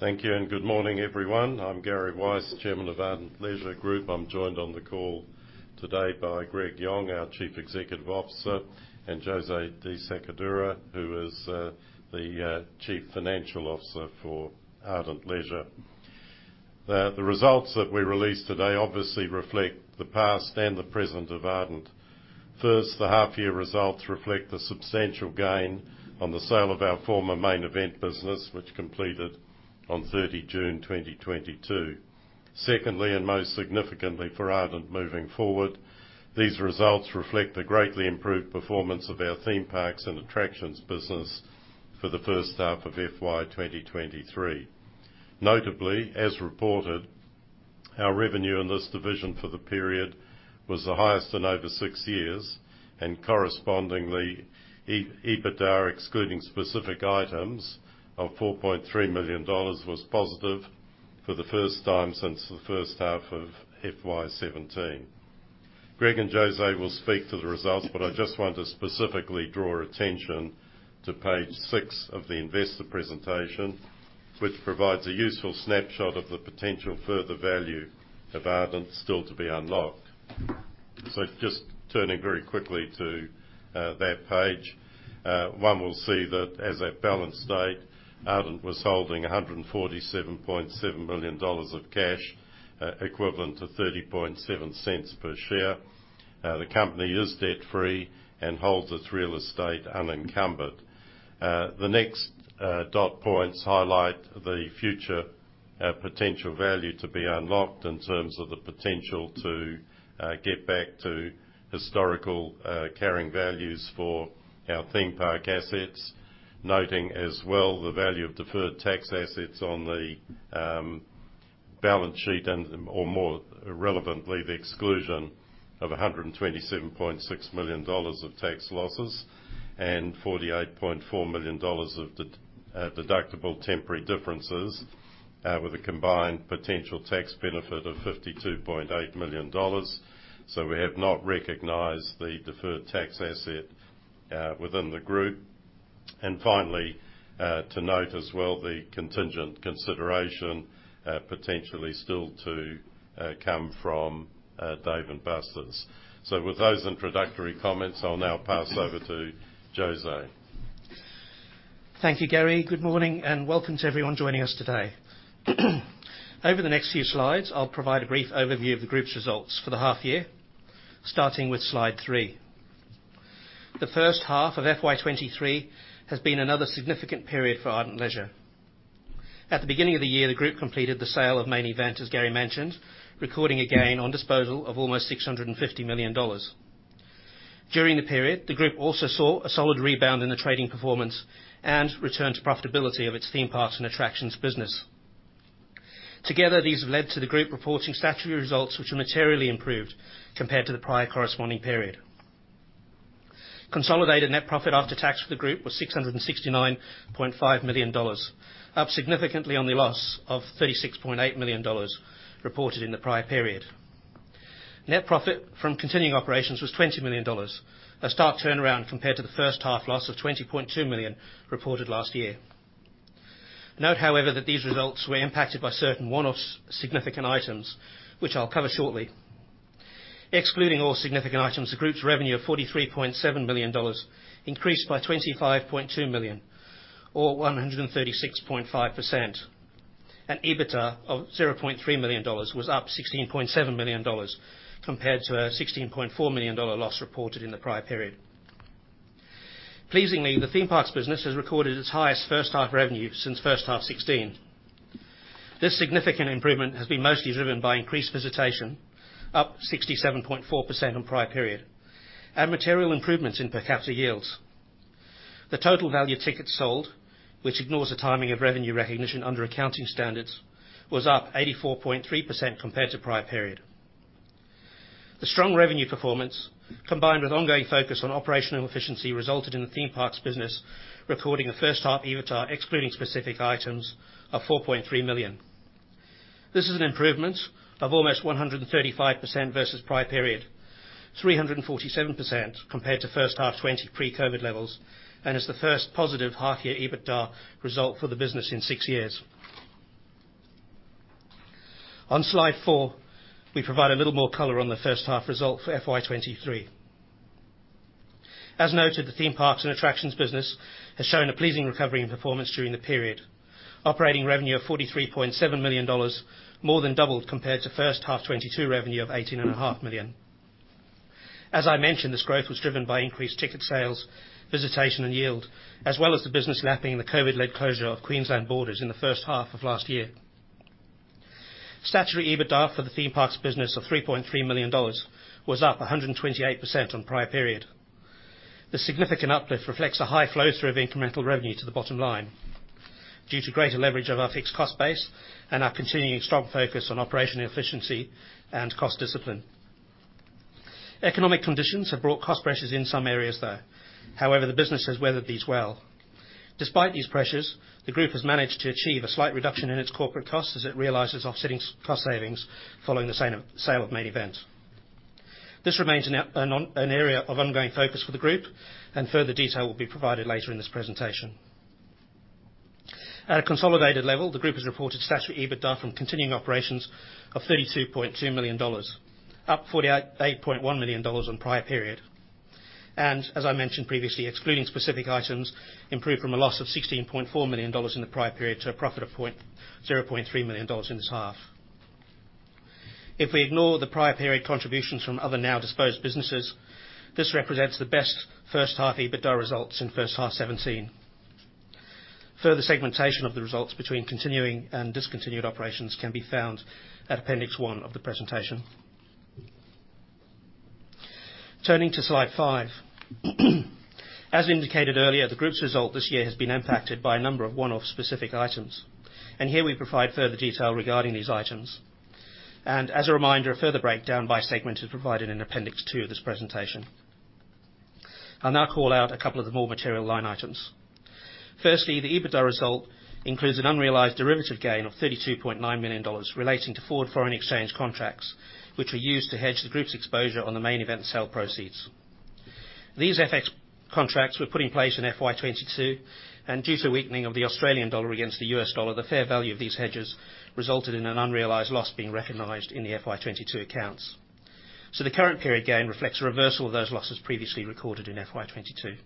Thank you. Good morning, everyone. I'm Gary Weiss, Chairman of Ardent Leisure Group. I'm joined on the call today by Greg Yong, our Chief Executive Officer, and Jose De Sacadura, who is the Chief Financial Officer for Ardent Leisure. The results that we released today obviously reflect the past and the present of Ardent. First, the half-year results reflect the substantial gain on the sale of our former Main Event business, which completed on 30 June 2022. Secondly, most significantly for Ardent moving forward, these results reflect the greatly improved performance of our theme parks and attractions business for the first half of FY 2023. Notably, as reported, our revenue in this division for the period was the highest in over six years, and correspondingly, EBITDA, excluding specific items of 4.3 million dollars, was positive for the first time since the first half of FY 2017. Greg and Jose will speak to the results, but I just want to specifically draw attention to page 6 of the investor presentation, which provides a useful snapshot of the potential further value of Ardent still to be unlocked. Just turning very quickly to that page, one will see that as at balance date, Ardent was holding 147.7 million dollars of cash, equivalent to 0.307 per share. The company is debt-free and holds its real estate unencumbered. The next dot points highlight the future potential value to be unlocked in terms of the potential to get back to historical carrying values for our theme park assets. Noting as well the value of deferred tax assets on the balance sheet and, or more relevantly, the exclusion of 127.6 million dollars of tax losses and 48.4 million dollars of deductible temporary differences with a combined potential tax benefit of 52.8 million dollars. We have not recognized the deferred tax asset within the group. Finally, to note as well the contingent consideration potentially still to come from Dave & Buster's. With those introductory comments, I'll now pass over to Jose. Thank you, Gary Weiss. Good morning and welcome to everyone joining us today. Over the next few slides, I'll provide a brief overview of the group's results for the half-year, starting with slide 3. The first half of FY 2023 has been another significant period for Ardent Leisure. At the beginning of the year, the group completed the sale of Main Event, as Gary Weiss mentioned, recording a gain on disposal of almost 650 million dollars. During the period, the group also saw a solid rebound in the trading performance and return to profitability of its Ardent Theme Parks and Attractions business. Together, these have led to the group reporting statutory results, which are materially improved compared to the prior corresponding period. Consolidated net profit after tax for the group was 669.5 million dollars, up significantly on the loss of 36.8 million dollars reported in the prior period. Net profit from continuing operations was 20 million dollars, a stark turnaround compared to the first half loss of 20.2 million reported last year. Note, however, that these results were impacted by certain one-off significant items, which I'll cover shortly. Excluding all significant items, the group's revenue of AUD 43.7 million increased by AUD 25.2 million or 136.5%. An EBITDA of AUD 0.3 million was up AUD 16.7 million compared to a AUD 16.4 million loss reported in the prior period. Pleasingly, the theme parks business has recorded its highest first half revenue since first half 2016. This significant improvement has been mostly driven by increased visitation, up 67.4% on prior period, and material improvements in per capita yields. The total value of tickets sold, which ignores the timing of revenue recognition under accounting standards, was up 84.3% compared to prior period. The strong revenue performance, combined with ongoing focus on operational efficiency, resulted in the theme parks business recording a first half EBITDA, excluding specific items, of 4.3 million. This is an improvement of almost 135% versus prior period, 347% compared to first half FY 2020 pre-COVID levels, and is the first positive half year EBITDA result for the business in 6 years. On slide 4, we provide a little more color on the first half result for FY 2023. As noted, the theme parks and attractions business has shown a pleasing recovery in performance during the period. Operating revenue of 43.7 million dollars more than doubled compared to first half FY 2022 revenue of 18.5 million. As I mentioned, this growth was driven by increased ticket sales, visitation, and yield, as well as the business lapping the COVID-led closure of Queensland borders in the first half of last year. Statutory EBITDA for the theme parks business of AUD 3.3 million was up 128% on prior period. The significant uplift reflects the high flow through of incremental revenue to the bottom line due to greater leverage of our fixed cost base and our continuing strong focus on operational efficiency and cost discipline. Economic conditions have brought cost pressures in some areas, though. The business has weathered these well. Despite these pressures, the group has managed to achieve a slight reduction in its corporate costs as it realizes offsetting cost savings following the sale of Main Event. This remains an area of ongoing focus for the group, further detail will be provided later in this presentation. At a consolidated level, the group has reported statutory EBITDA from continuing operations of 32.2 million dollars, up 48.1 million dollars on prior period. As I mentioned previously, excluding specific items, improved from a loss of 16.4 million dollars in the prior period to a profit of 0.3 million dollars in this half. If we ignore the prior period contributions from other now disposed businesses, this represents the best first half EBITDA results since first half 2017. Further segmentation of the results between continuing and discontinued operations can be found at Appendix One of the presentation. Turning to slide 5. As indicated earlier, the group's result this year has been impacted by a number of one-off specific items. Here we provide further detail regarding these items. As a reminder, a further breakdown by segment is provided in Appendix Two of this presentation. I'll now call out a couple of the more material line items. Firstly, the EBITDA result includes an unrealized derivative gain of $32.9 million relating to forward foreign exchange contracts, which were used to hedge the group's exposure on the Main Event sale proceeds. These FX contracts were put in place in FY 2022. Due to a weakening of the Australian dollar against the US dollar, the fair value of these hedges resulted in an unrealized loss being recognized in the FY 2022 accounts. The current period gain reflects a reversal of those losses previously recorded in FY 2022.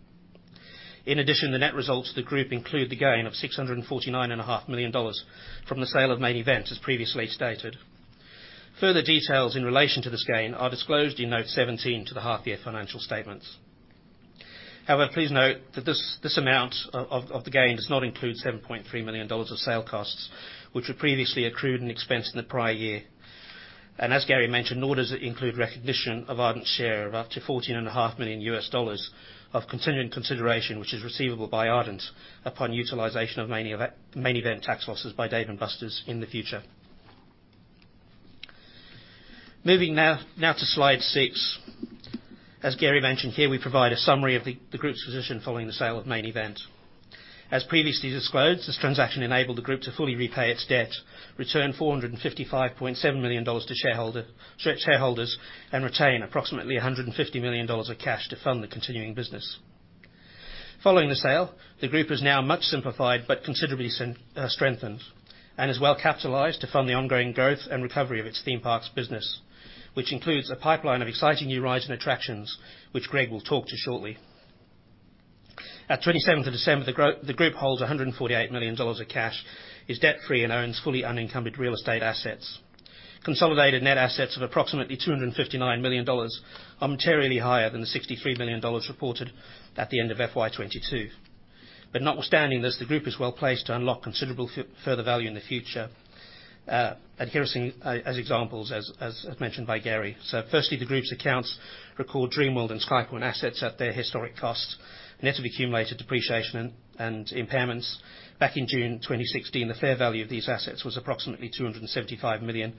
In addition, the net results of the group include the gain of six hundred and forty-nine and a half million dollars from the sale of Main Event, as previously stated. Further details in relation to this gain are disclosed in Note 17 to the half year financial statements. Please note that this amount of the gain does not include 7.3 million dollars of sale costs, which were previously accrued and expensed in the prior year. As Gary mentioned, nor does it include recognition of Ardent's share of up to $14.5 million of continuing consideration, which is receivable by Ardent upon utilization of Main Event tax losses by Dave & Buster's in the future. Moving now to slide 6. As Gary mentioned here, we provide a summary of the group's position following the sale of Main Event. As previously disclosed, this transaction enabled the group to fully repay its debt, return 455.7 million dollars to shareholders, and retain approximately 150 million dollars of cash to fund the continuing business. Following the sale, the group is now much simplified but considerably strengthened, and is well capitalized to fund the ongoing growth and recovery of its theme parks business, which includes a pipeline of exciting new rides and attractions, which Greg will talk to shortly. At 27th of December, the group holds AUD 148 million of cash, is debt-free, and owns fully unencumbered real estate assets. Consolidated net assets of approximately 259 million dollars are materially higher than the 63 million dollars reported at the end of FY 2022. Notwithstanding this, the group is well placed to unlock considerable further value in the future. Here are some as examples as mentioned by Gary. Firstly, the group's accounts record Dreamworld and SkyPoint assets at their historic cost, net of accumulated depreciation and impairments. Back in June 2016, the fair value of these assets was approximately 275 million,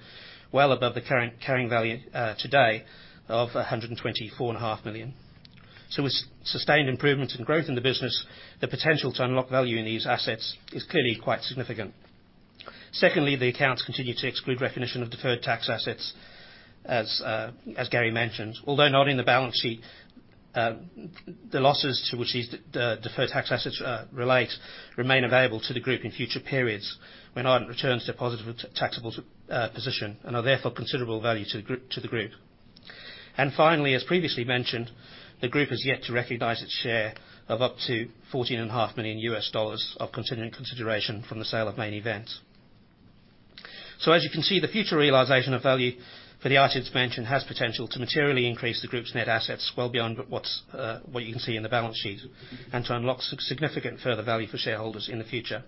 well above the current carrying value today of 124 and a half million. With sustained improvements and growth in the business, the potential to unlock value in these assets is clearly quite significant. Secondly, the accounts continue to exclude recognition of deferred tax assets, as Gary mentioned. Although not in the balance sheet, the losses to which these, the deferred tax assets, relate remain available to the group in future periods when Ardent returns to a positive taxable position and are therefore considerable value to the group. Finally, as previously mentioned, the group has yet to recognize its share of up to $14 and a half million U.S. dollars of continuing consideration from the sale of Main Event. As you can see, the future realization of value for the items mentioned has potential to materially increase the group's net assets well beyond what's what you can see in the balance sheet and to unlock significant further value for shareholders in the future.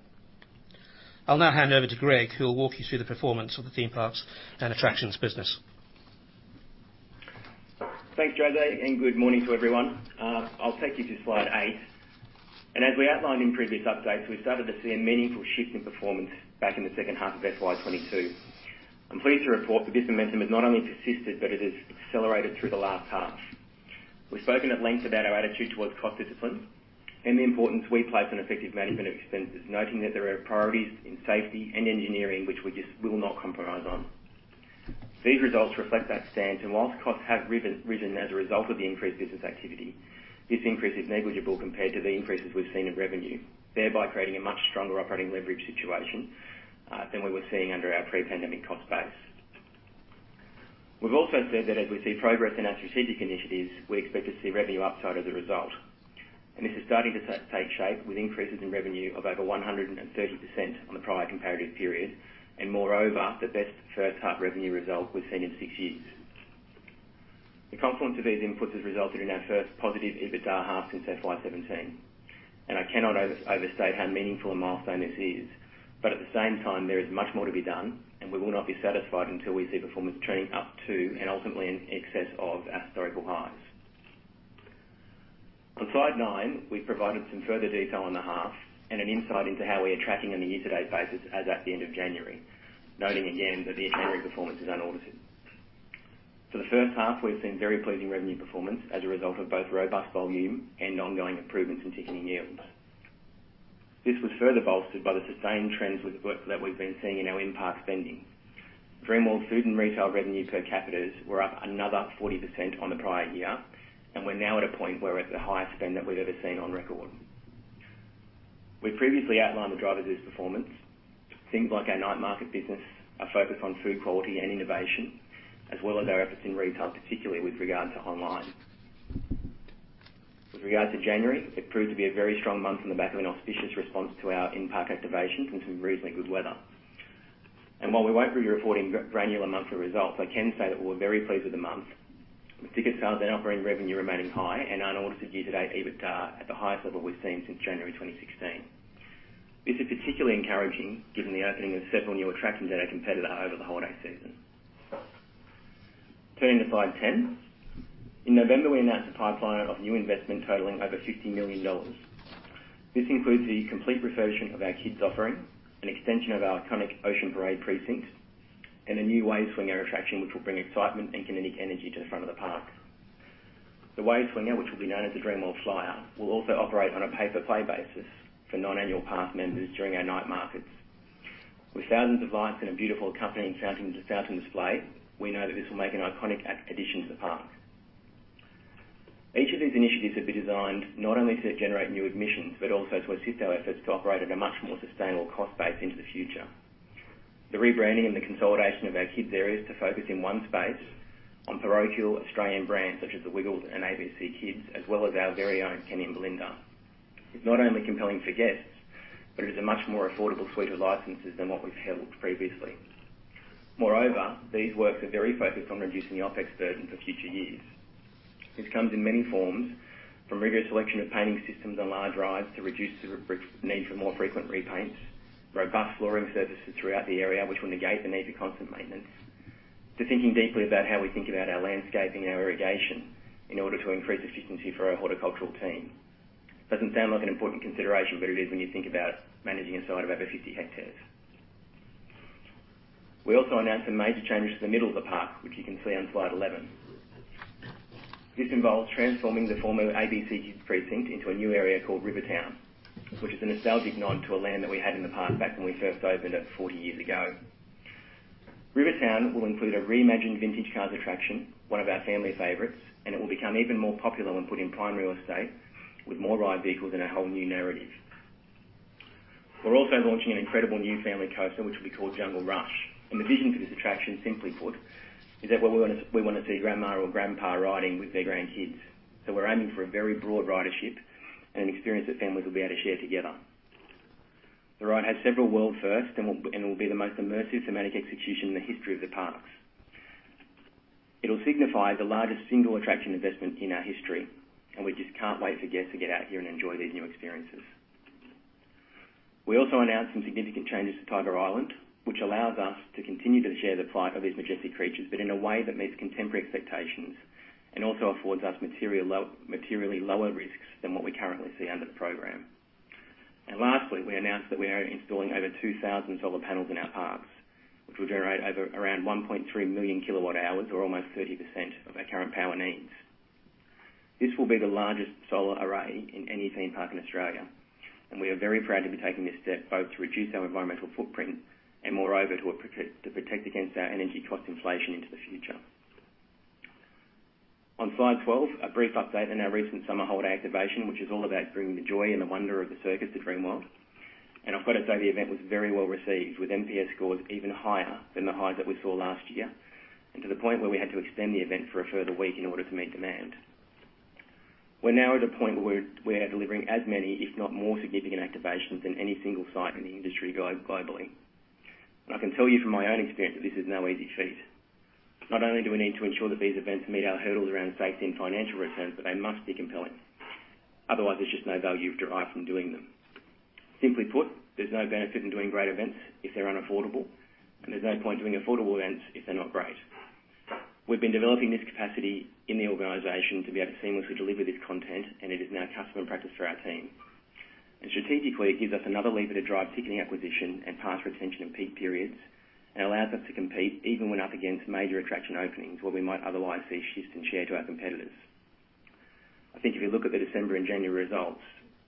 I'll now hand over to Greg, who will walk you through the performance of the theme parks and attractions business. Thanks, Jose, and good morning to everyone. I'll take you to slide 8. As we outlined in previous updates, we started to see a meaningful shift in performance back in the second half of FY 2022. I'm pleased to report that this momentum has not only persisted, but it has accelerated through the last half. We've spoken at length about our attitude towards cost discipline and the importance we place on effective management of expenses, noting that there are priorities in safety and engineering which we just will not compromise on. These results reflect that stance, and whilst costs have risen as a result of the increased business activity, this increase is negligible compared to the increases we've seen in revenue, thereby creating a much stronger operating leverage situation than we were seeing under our pre-pandemic cost base. We've also said that as we see progress in our strategic initiatives, we expect to see revenue upside as a result. This is starting to take shape with increases in revenue of over 130% on the prior comparative period, and moreover, the best first half revenue result we've seen in six years. The confluence of these inputs has resulted in our first positive EBITDA half since FY 2017, and I cannot overstate how meaningful a milestone this is. At the same time, there is much more to be done, and we will not be satisfied until we see performance trending up to, and ultimately in excess of, our historical highs. On slide 9, we've provided some further detail on the half and an insight into how we are tracking on a year-to-date basis as at the end of January, noting again that the interim performance is unaudited. For the first half, we've seen very pleasing revenue performance as a result of both robust volume and ongoing improvements in ticketing yields. This was further bolstered by the sustained trends with work that we've been seeing in our in-park spending. Dreamworld food and retail revenue per capitas were up another 40% on the prior year, and we're now at a point where it's the highest spend that we've ever seen on record. We previously outlined the drivers of this performance. Things like our Night Market business, our focus on food quality and innovation, as well as our efforts in retail, particularly with regard to online. With regard to January, it proved to be a very strong month on the back of an auspicious response to our in-park activations and some reasonably good weather. While we won't be reporting granular monthly results, I can say that we're very pleased with the month. The ticket sales and operating revenue remaining high and unaudited year to date EBITDAR at the highest level we've seen since January 2016. This is particularly encouraging given the opening of several new attractions at our competitor over the holiday season. Turning to slide 10. In November, we announced a pipeline of new investment totaling over 50 million dollars. This includes the complete refurbishment of our kids' offering, an extension of our iconic Ocean Parade precincts, and a new wave swinger attraction, which will bring excitement and kinetic energy to the front of the park. The wave swinger, which will be known as The Dreamworld Flyer, will also operate on a pay-per-play basis for non-annual pass members during our Night Market. With thousands of lights and a beautiful accompanying fountain display, we know that this will make an iconic addition to the park. Each of these initiatives have been designed not only to generate new admissions, but also to assist our efforts to operate at a much more sustainable cost base into the future. The rebranding and the consolidation of our kids' areas to focus in one space on parochial Australian brands such as The Wiggles and ABC Kids, as well as our very own Kenny and Belinda. It's not only compelling for guests, but it is a much more affordable suite of licenses than what we've held previously. These works are very focused on reducing the OpEx burden for future years. This comes in many forms, from rigorous selection of painting systems on large rides to reduce the need for more frequent repaints, robust flooring surfaces throughout the area which will negate the need for constant maintenance. To thinking deeply about how we think about our landscape and our irrigation in order to increase efficiency for our horticultural team. Doesn't sound like an important consideration, but it is when you think about managing a site of over 50 hectares. We also announced some major changes to the middle of the park, which you can see on slide 11. This involves transforming the former ABC Kids precinct into a new area called Rivertown, which is a nostalgic nod to a land that we had in the park back when we first opened it 40 years ago. Rivertown will include a reimagined Vintage Cars attraction, one of our family favorites, and it will become even more popular when put in prime real estate with more ride vehicles and a whole new narrative. We're also launching an incredible new family coaster, which will be called Jungle Rush. The vision for this attraction, simply put, is that we wanna see Grandma or Grandpa riding with their grandkids. We're aiming for a very broad ridership and an experience that families will be able to share together. The ride has several world first and will be the most immersive thematic execution in the history of the parks. It'll signify the largest single attraction investment in our history, and we just can't wait for guests to get out here and enjoy these new experiences. We also announced some significant changes to Tiger Island, which allows us to continue to share the plight of these majestic creatures, but in a way that meets contemporary expectations and also affords us materially lower risks than what we currently see under the program. Lastly, we announced that we are installing over 2,000 solar panels in our parks, which will generate over around 1.3 million kilowatt hours or almost 30% of our current power needs. This will be the largest solar array in any theme park in Australia, and we are very proud to be taking this step both to reduce our environmental footprint and moreover to protect against our energy cost inflation into the future. On slide 12, a brief update on our recent summer holiday activation, which is all about bringing the joy and the wonder of the circus to Dreamworld. I've got to say the event was very well received with NPS scores even higher than the highs that we saw last year, to the point where we had to extend the event for a further week in order to meet demand. We're now at a point where we're delivering as many, if not more significant activations than any single site in the industry globally. I can tell you from my own experience that this is no easy feat. Not only do we need to ensure that these events meet our hurdles around safety and financial returns, but they must be compelling. Otherwise, there's just no value derived from doing them. Simply put, there's no benefit in doing great events if they're unaffordable, and there's no point doing affordable events if they're not great. We've been developing this capacity in the organization to be able to seamlessly deliver this content, and it is now customer practice for our team. Strategically, it gives us another lever to drive ticketing acquisition and pass retention in peak periods and allows us to compete even when up against major attraction openings where we might otherwise see shifts in share to our competitors. I think if you look at the December and January results,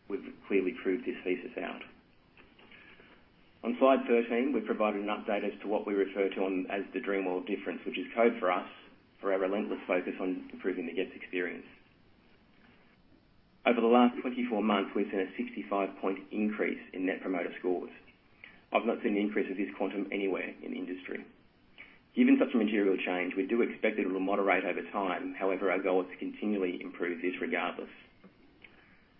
we've clearly proved this thesis out. On slide 13, we've provided an update as to what we refer to as the Dreamworld difference, which is code for us, for our relentless focus on improving the guest experience. Over the last 24 months, we've seen a 65 point increase in Net Promoter Scores. I've not seen an increase of this quantum anywhere in the industry. Given such a material change, we do expect it will moderate over time. However, our goal is to continually improve this regardless.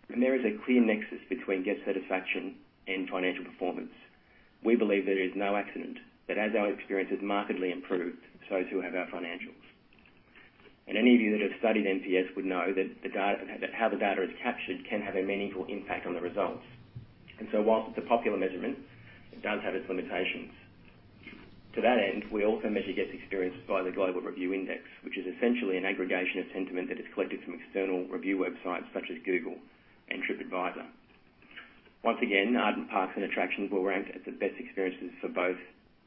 There is a clear nexus between guest satisfaction and financial performance. We believe that it is no accident that as our experience has markedly improved, so too have our financials. Any of you that have studied NPS would know that how the data is captured can have a meaningful impact on the results. While it's a popular measurement, it does have its limitrtions. To that end, we also measure guest experience via the Global Review Index, which is essentially an aggregation of sentiment that is collected from external review websites such as Google and Tripadvisor. Ardent Parks and Attractions were ranked as the best experiences for both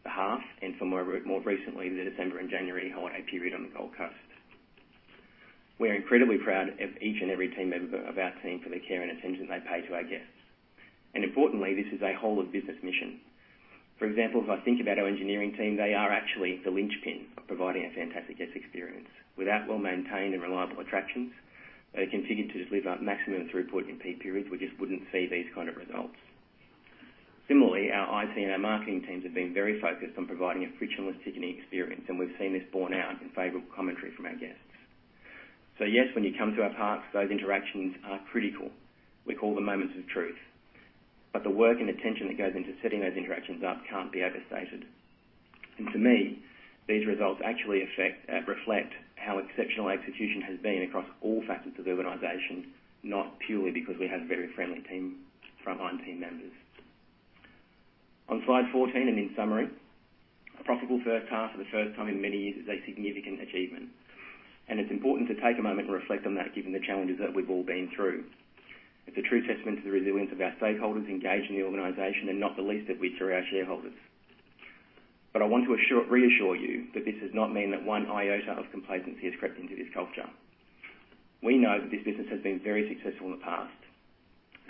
the half and for more, more recently, the December and January holiday period on the Gold Coast. We're incredibly proud of each and every team member of our team for the care and attention they pay to our guests. Importantly, this is a whole of business mission. For example, if I think about our engineering team, they are actually the linchpin of providing a fantastic guest experience. Without well-maintained and reliable attractions, they continue to just live up maximum throughput in peak periods. We just wouldn't see these kind of results. Similarly, our IT and our marketing teams have been very focused on providing a frictionless ticketing experience, and we've seen this borne out in favorable commentary from our guests. Yes, when you come to our parks, those interactions are critical. We call them moments of truth. The work and attention that goes into setting those interactions up can't be overstated. To me, these results actually reflect how exceptional execution has been across all facets of the organization, not purely because we have very friendly frontline team members. On slide 14 and in summary, a profitable first half for the first time in many years is a significant achievement, and it's important to take a moment and reflect on that given the challenges that we've all been through. It's a true testament to the resilience of our stakeholders engaged in the organization and not the least of which are our shareholders. I want to reassure you that this does not mean that one iota of complacency has crept into this culture. We know that this business has been very successful in the past,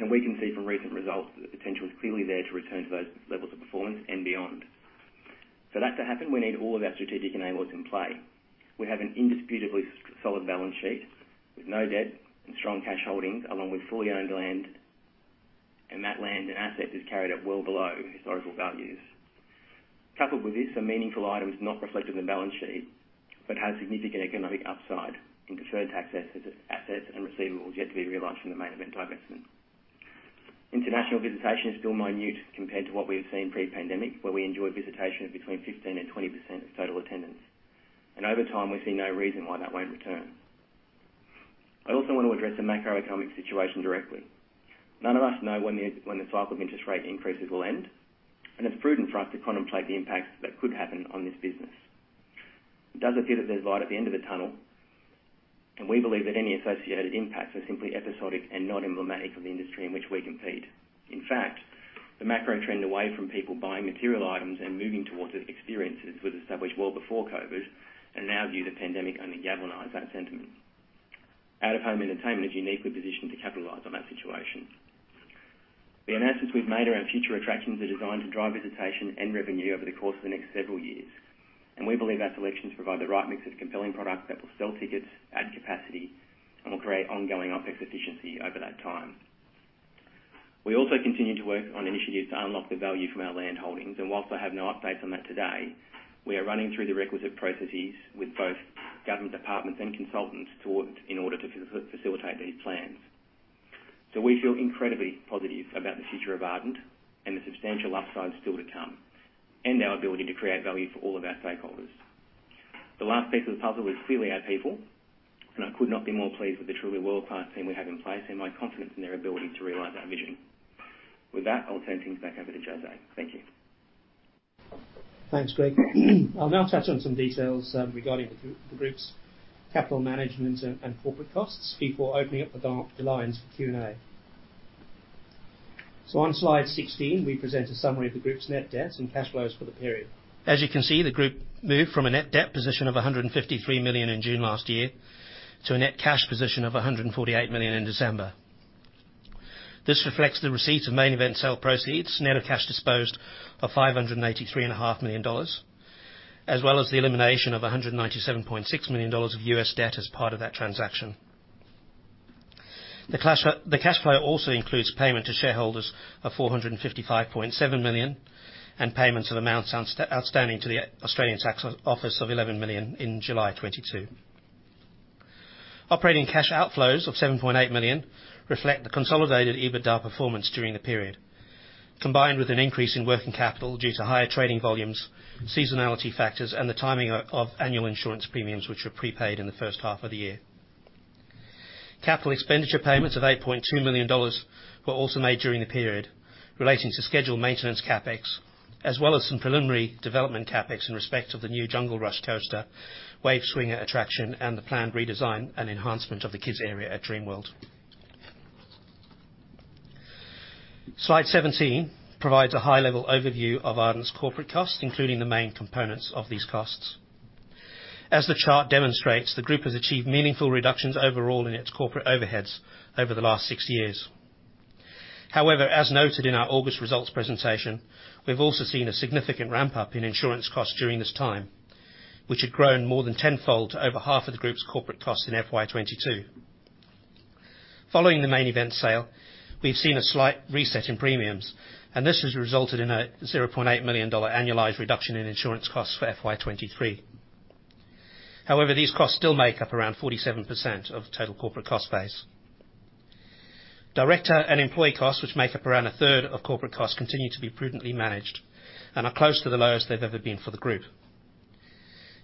and we can see from recent results that the potential is clearly there to return to those levels of performance and beyond. For that to happen, we need all of our strategic enablers in play. We have an indisputably solid balance sheet with no debt and strong cash holdings along with fully owned land. That land and asset is carried at well below historical values. Coupled with this are meaningful items not reflected in the balance sheet, but have significant economic upside in deferred tax assets, and receivables yet to be realized from the Main Event divestment. International visitation is still minute compared to what we have seen pre-pandemic, where we enjoyed visitation of between 15% and 20% of total attendance. Over time, we see no reason why that won't return. I also want to address the macroeconomic situation directly. None of us know when the cycle of interest rate increases will end, and it's prudent for us to contemplate the impacts that could happen on this business. It does appear that there's light at the end of the tunnel, and we believe that any associated impacts are simply episodic and not emblematic of the industry in which we compete. In fact, the macro trend away from people buying material items and moving towards e-experiences was established well before COVID, and in our view, the pandemic only galvanized that sentiment. Out of home entertainment is uniquely positioned to capitalize on that situation. The announcements we've made around future attractions are designed to drive visitation and revenue over the course of the next several years, and we believe our selections provide the right mix of compelling products that will sell tickets, add capacity, and will create ongoing OpEx efficiency over that time. We also continue to work on initiatives to unlock the value from our land holdings, and whilst I have no update on that today, we are running through the requisite processes with both government departments and consultants in order to facilitate these plans. We feel incredibly positive about the future of Ardent and the substantial upside still to come and our ability to create value for all of our stakeholders. The last piece of the puzzle is clearly our people, and I could not be more pleased with the truly world-class team we have in place and my confidence in their ability to realize our vision. With that, I'll turn things back over to Jose. Thank you. Thanks, Greg. I'll now touch on some details regarding the group's capital management and corporate costs before opening up the lines for Q&A. On slide 16, we present a summary of the group's net debts and cash flows for the period. As you can see, the group moved from a net debt position of 153 million in June last year to a net cash position of 148 million in December. This reflects the receipt of Main Event sale proceeds, net of cash disposed of 583 and a half million dollars, as well as the elimination of 197.6 million dollars of U.S. debt as part of that transaction. The cash flow also includes payment to shareholders of 455.7 million and payments of amounts outstanding to the Australian Taxation Office of 11 million in July 2022. Operating cash outflows of 7.8 million reflect the consolidated EBITDA performance during the period, combined with an increase in working capital due to higher trading volumes, seasonality factors, and the timing of annual insurance premiums, which were prepaid in the first half of the year. Capital expenditure payments of 8.2 million dollars were also made during the period relating to scheduled maintenance CapEx, as well as some preliminary development CapEx in respect of the new Jungle Rush coaster, Wave Swinger attraction, and the planned redesign and enhancement of the kids' area at Dreamworld. Slide 17 provides a high-level overview of Ardent's corporate costs, including the main components of these costs. As the chart demonstrates, the group has achieved meaningful reductions overall in its corporate overheads over the last 6 years. However, as noted in our August results presentation, we've also seen a significant ramp-up in insurance costs during this time, which had grown more than tenfold to over half of the group's corporate costs in FY 2022. Following the Main Event sale, we've seen a slight reset in premiums, and this has resulted in a $0.8 million annualized reduction in insurance costs for FY 2023. However, these costs still make up around 47% of total corporate cost base. Director and employee costs, which make up around a third of corporate costs, continue to be prudently managed and are close to the lowest they've ever been for the group.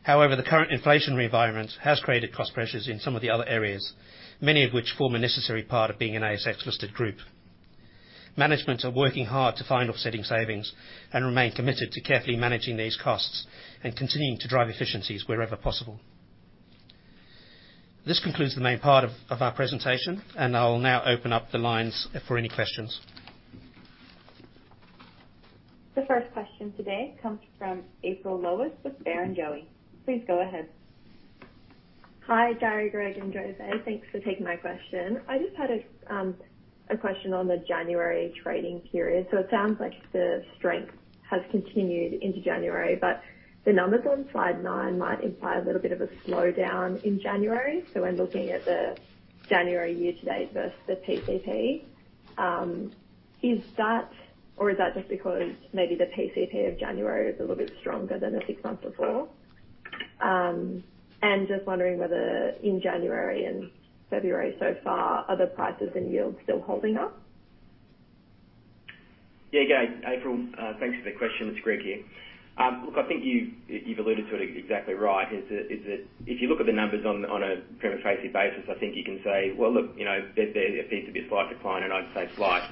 However, the current inflationary environment has created cost pressures in some of the other areas, many of which form a necessary part of being an ASX-listed group. Management are working hard to find offsetting savings and remain committed to carefully managing these costs and continuing to drive efficiencies wherever possible. This concludes the main part of our presentation. I will now open up the lines for any questions. The first question today comes from April Lowis with Barrenjoey. Please go ahead. Hi, Gary, Greg, and Jose. Thanks for taking my question. I just had a question on the January trading period. It sounds like the strength has continued into January, but the numbers on slide 9 might imply a little bit of a slowdown in January. When looking at the January year to date versus the PCP, is that or is that just because maybe the PCP of January is a little bit stronger than the 6 months before? Just wondering whether in January and February so far, are the prices and yields still holding up? Good day, April. Thanks for the question. It's Greg here. Look, I think you've alluded to it exactly right, is that if you look at the numbers on a prima facie basis, I think you can say, "Well, look, you know, there appears to be a slight decline," and I'd say slight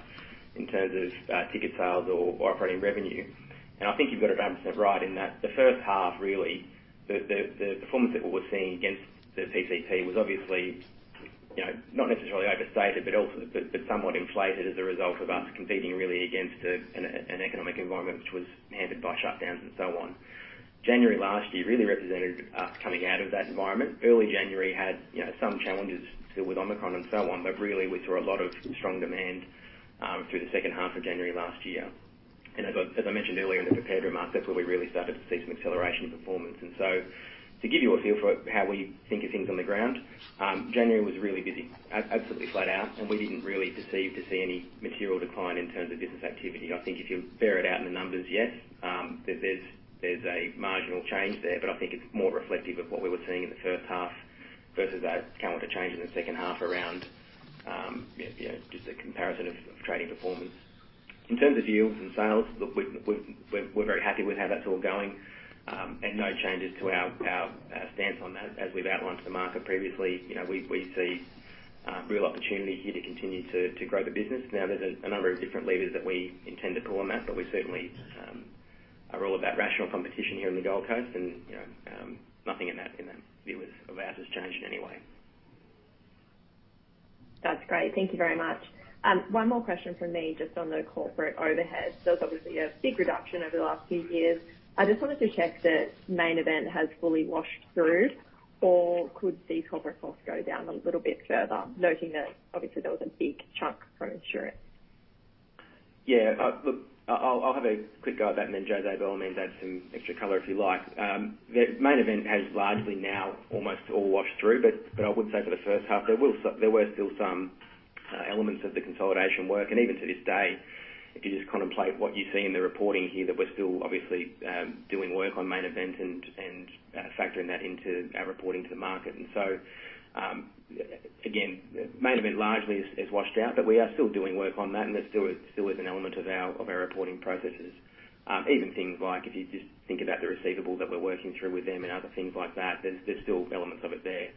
in terms of ticket sales or operating revenue. I think you've got it about % right in that the first half really, the performance that we were seeing against the PCP was obviously, you know, not necessarily overstated, but also somewhat inflated as a result of us competing really against an economic environment which was hampered by shutdowns and so on. January last year really represented us coming out of that environment. Early January had, you know, some challenges still with Omicron and so on, but really we saw a lot of strong demand through the second half of January last year. As I mentioned earlier in the prepared remarks, that's where we really started to see some acceleration in performance. To give you a feel for how we think of things on the ground, January was really busy. Absolutely flat out, and we didn't really deceive to see any material decline in terms of business activity. I think if you bear it out in the numbers, yes, there's a marginal change there, but I think it's more reflective of what we were seeing in the first half versus a counter change in the second half around, you know, just the comparison of trading performance. In terms of yields and sales, look, we're very happy with how that's all going, and no changes to our stance on that. As we've outlined to the market previously, you know, we see real opportunity here to continue to grow the business. There's a number of different levers that we intend to pull on that, but we certainly, are all about rational competition here in the Gold Coast and, you know, nothing in that view of ours has changed in any way. That's great. Thank you very much. One more question from me, just on the corporate overhead. There was obviously a big reduction over the last few years. I just wanted to check that Main Event has fully washed through, or could these corporate costs go down a little bit further, noting that obviously there was a big chunk from insurance? Look, I'll have a quick go at that and then Jose will maybe add some extra color if you like. The Main Event has largely now almost all washed through, but I would say for the first half, there were still some elements of the consolidation work. Even to this day, if you just contemplate what you see in the reporting here, that we're still obviously doing work on Main Event and factoring that into our reporting to the market. Again, Main Event largely is washed out, but we are still doing work on that, and that still is an element of our reporting processes. Even things like if you just think about the receivables that we're working through with them and other things like that, there's still elements of it there.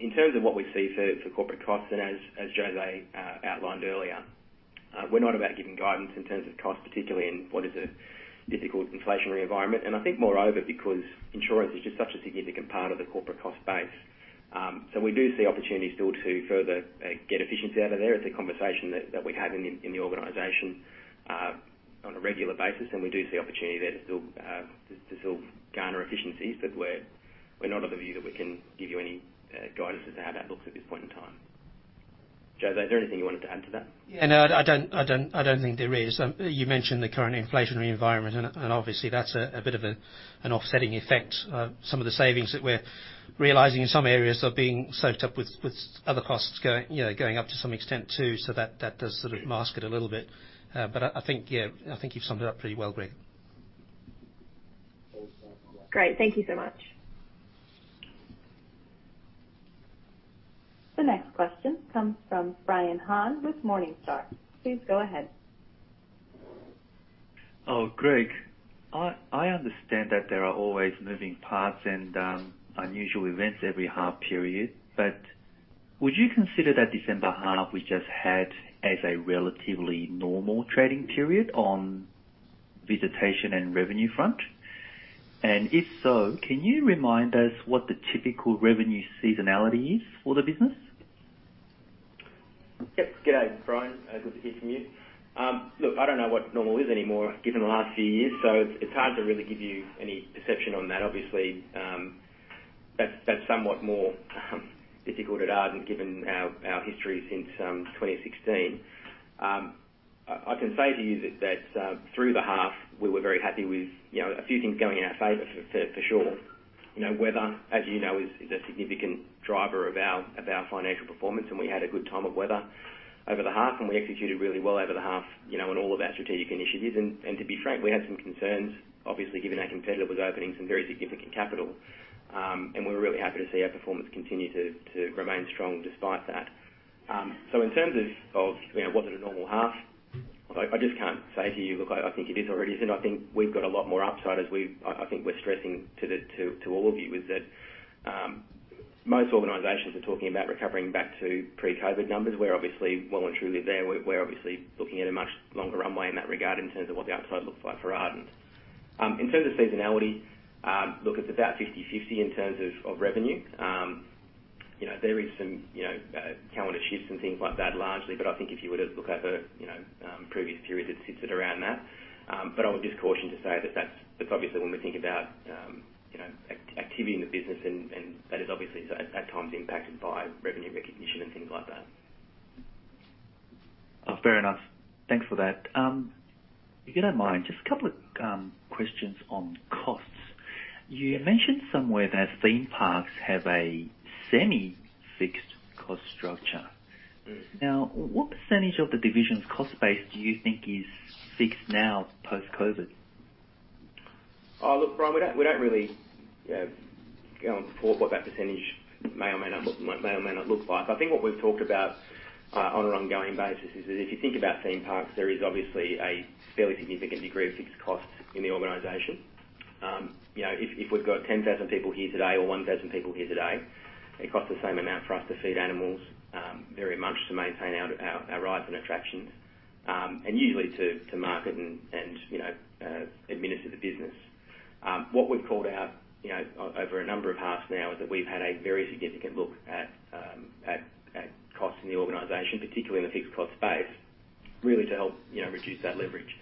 In terms of what we see for corporate costs, and as Jose outlined earlier, we're not about giving guidance in terms of cost, particularly in what is a difficult inflationary environment. I think moreover, because insurance is just such a significant part of the corporate cost base. We do see opportunities still to further get efficiency out of there. It's a conversation that we have in the organization on a regular basis, and we do see opportunity there to still garner efficiencies. We're not of the view that we can give you any guidance as to how that looks at this point in time. Jose, is there anything you wanted to add to that? No, I don't think there is. You mentioned the current inflationary environment and obviously that's a bit of an offsetting effect. Some of the savings that we're realizing in some areas are being soaked up with other costs going up to some extent too. That does sort of mask it a little bit. I think you've summed it up pretty well, Greg. Great. Thank you so much. The next question comes from Brian Han with Morningstar. Please go ahead. Greg, I understand that there are always moving parts and unusual events every half period, but would you consider that December half we just had as a relatively normal trading period on visitation and revenue front? If so, can you remind us what the typical revenue seasonality is for the business? Yep. Good day, Brian. Good to hear from you. Look, I don't know what normal is anymore given the last few years, so it's hard to really give you any perception on that. Obviously, that's somewhat more difficult at Ardent given our history since 2016. I can say to you that through the half we were very happy with, you know, a few things going in our favor for sure. You know, weather, as you know, is a significant driver of our financial performance and we had a good time of weather over the half and we executed really well over the half, you know, on all of our strategic initiatives. To be frank, we had some concerns obviously given our competitors opening some very significant capital. We're really happy to see our performance continue to remain strong despite that. In terms of, you know, was it a normal half? I just can't say to you. Look, I think it is or it isn't. I think we've got a lot more upside as we've. I think we're stressing to all of you is that most organizations are talking about recovering back to pre-COVID numbers. We're obviously well and truly there. We're obviously looking at a much longer runway in that regard in terms of what the upside looks like for Ardent. In terms of seasonality, look, it's about 50/50 in terms of revenue. You know, there is some, you know, calendar shifts and things like that largely, but I think if you were to look over, you know, previous periods, it sits at around that. I would just caution to say that that's obviously when we think about, you know, activity in the business and that is obviously at times impacted by revenue recognition and things like that. Oh, fair enough. Thanks for that. If you don't mind, just a couple of questions on costs. You mentioned somewhere that theme parks have a semi-fixed cost structure. Mm-hmm. Now, what % of the division's cost base do you think is fixed now post-COVID? Oh, look, Brian, we don't really, you know, go and support what that percentage may or may not look like. I think what we've talked about on an ongoing basis is that if you think about theme parks, there is obviously a fairly significant degree of fixed costs in the organization. You know, if we've got 10,000 people here today or 1,000 people here today, it costs the same amount for us to feed animals, very much to maintain our rides and attractions, and usually to market and, you know, administer the business. What we've called out, you know, over a number of halves now is that we've had a very significant look at costs in the organization, particularly in the fixed cost space, really to help, you know, reduce that leverage.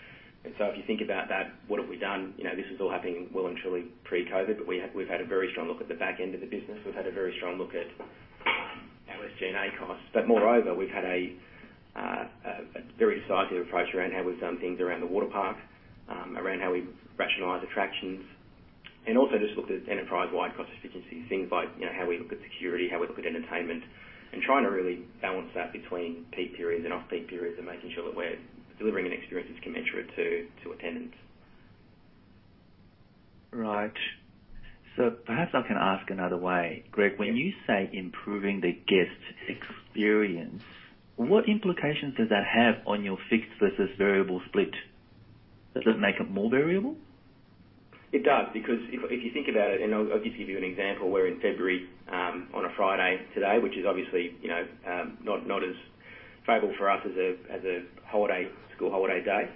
If you think about that, what have we done? You know, this is all happening well and truly pre-COVID, we've had a very strong look at the back end of the business. We've had a very strong look at our SG&A costs. Moreover, we've had a very decisive approach around how we've done things around the water park, around how we rationalize attractions, and also just looked at enterprise-wide cost efficiencies. Things like, you know, how we look at security, how we look at entertainment, trying to really balance that between peak periods and off-peak periods and making sure that we're delivering an experience that's commensurate to attendance. Right. Perhaps I can ask another way, Greg. Yeah. When you say improving the guest experience, what implications does that have on your fixed versus variable split? Does it make it more variable? It does, because if you think about it, I'll give you an example, we're in February on a Friday today, which is obviously, you know, not as favorable for us as a holiday, school holiday day.